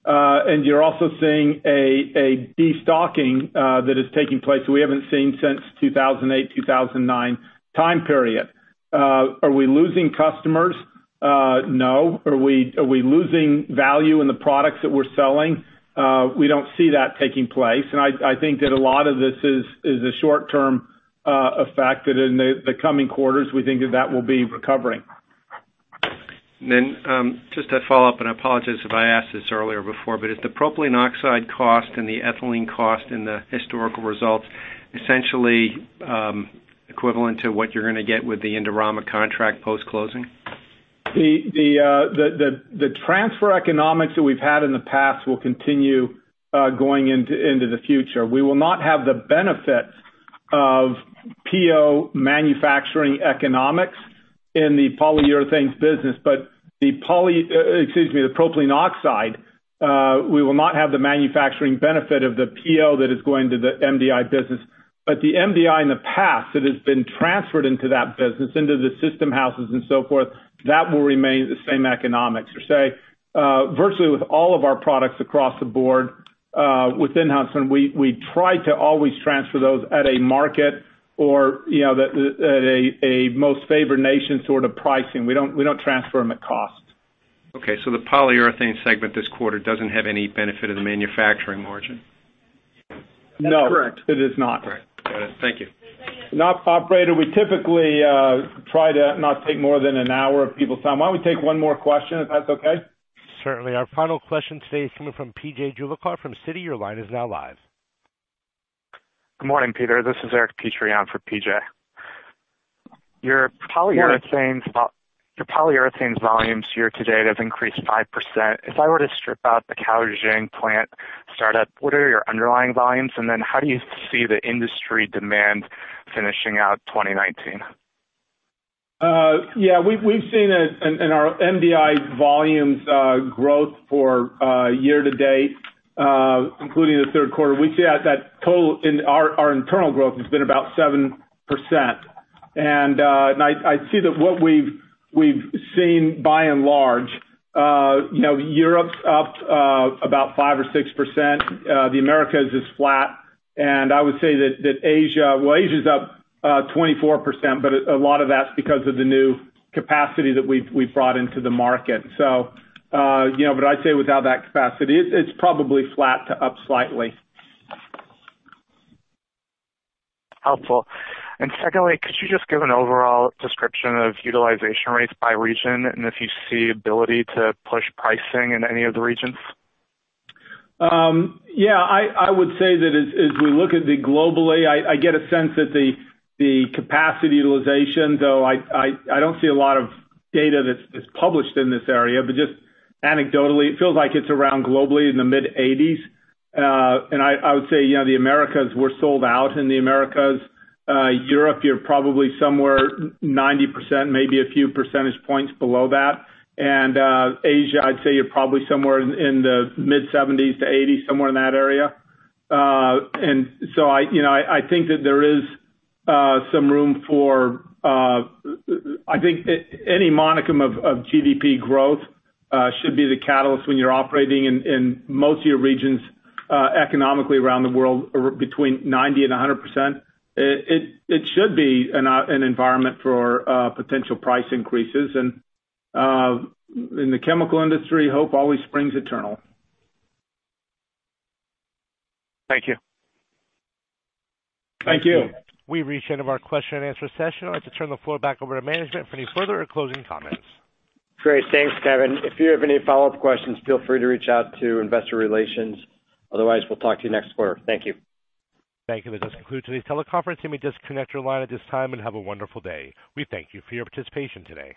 Speaker 3: and you're also seeing a de-stocking that is taking place that we haven't seen since 2008, 2009 time period. Are we losing customers? No. Are we losing value in the products that we're selling? We don't see that taking place. I think that a lot of this is a short-term effect, that in the coming quarters, we think that will be recovering.
Speaker 13: Just to follow up, and I apologize if I asked this earlier before, but is the propylene oxide cost and the ethylene cost in the historical results essentially equivalent to what you're going to get with the Indorama contract post-closing?
Speaker 3: The transfer economics that we've had in the past will continue going into the future. We will not have the benefit of PO manufacturing economics in the Polyurethanes business. The propylene oxide, we will not have the manufacturing benefit of the PO that is going to the MDI business. The MDI in the past that has been transferred into that business, into the system houses and so forth, that will remain the same economics, per se. Virtually with all of our products across the board, within Huntsman, we try to always transfer those at a market or at a most favored nation sort of pricing. We don't transfer them at cost.
Speaker 13: The Polyurethanes segment this quarter doesn't have any benefit of the manufacturing margin?
Speaker 3: No.
Speaker 4: That's correct.
Speaker 3: It is not.
Speaker 13: All right. Got it. Thank you.
Speaker 3: Operator, we typically try to not take more than an hour of people's time. Why don't we take one more question, if that's okay?
Speaker 1: Certainly. Our final question today is coming from P.J. Juvekar from Citi. Your line is now live.
Speaker 14: Good morning, Peter. This is Eric Petrie for P.J. Your Polyurethanes volumes year to date have increased 5%. If I were to strip out the Caojing plant startup, what are your underlying volumes? How do you see the industry demand finishing out 2019?
Speaker 3: Yeah, we've seen it in our MDI volumes growth for year to date, including the third quarter. We see that total in our internal growth has been about 7%. I see that what we've seen by and large, Europe's up about 5% or 6%, the Americas is flat, and I would say that Asia's up 24%, but a lot of that's because of the new capacity that we've brought into the market. I'd say without that capacity, it's probably flat to up slightly.
Speaker 14: Helpful. Secondly, could you just give an overall description of utilization rates by region, and if you see ability to push pricing in any of the regions?
Speaker 3: Yeah, I would say that as we look at the globally, I get a sense that the capacity utilization, though I don't see a lot of data that's published in this area, but just anecdotally, it feels like it's around globally in the mid-80s. I would say the Americas, we're sold out in the Americas. Europe, you're probably somewhere 90%, maybe a few percentage points below that. Asia, I'd say you're probably somewhere in the mid-70s to 80s, somewhere in that area. I think that there is some room for I think any modicum of GDP growth should be the catalyst when you're operating in most of your regions economically around the world are between 90% and 100%. It should be an environment for potential price increases. In the chemical industry, hope always springs eternal.
Speaker 14: Thank you.
Speaker 3: Thank you.
Speaker 1: We've reached the end of our question and answer session. I'd like to turn the floor back over to management for any further or closing comments.
Speaker 3: Great. Thanks, Kevin. If you have any follow-up questions, feel free to reach out to investor relations. Otherwise, we'll talk to you next quarter. Thank you.
Speaker 1: Thank you. That does conclude today's teleconference. You may disconnect your line at this time, and have a wonderful day. We thank you for your participation today.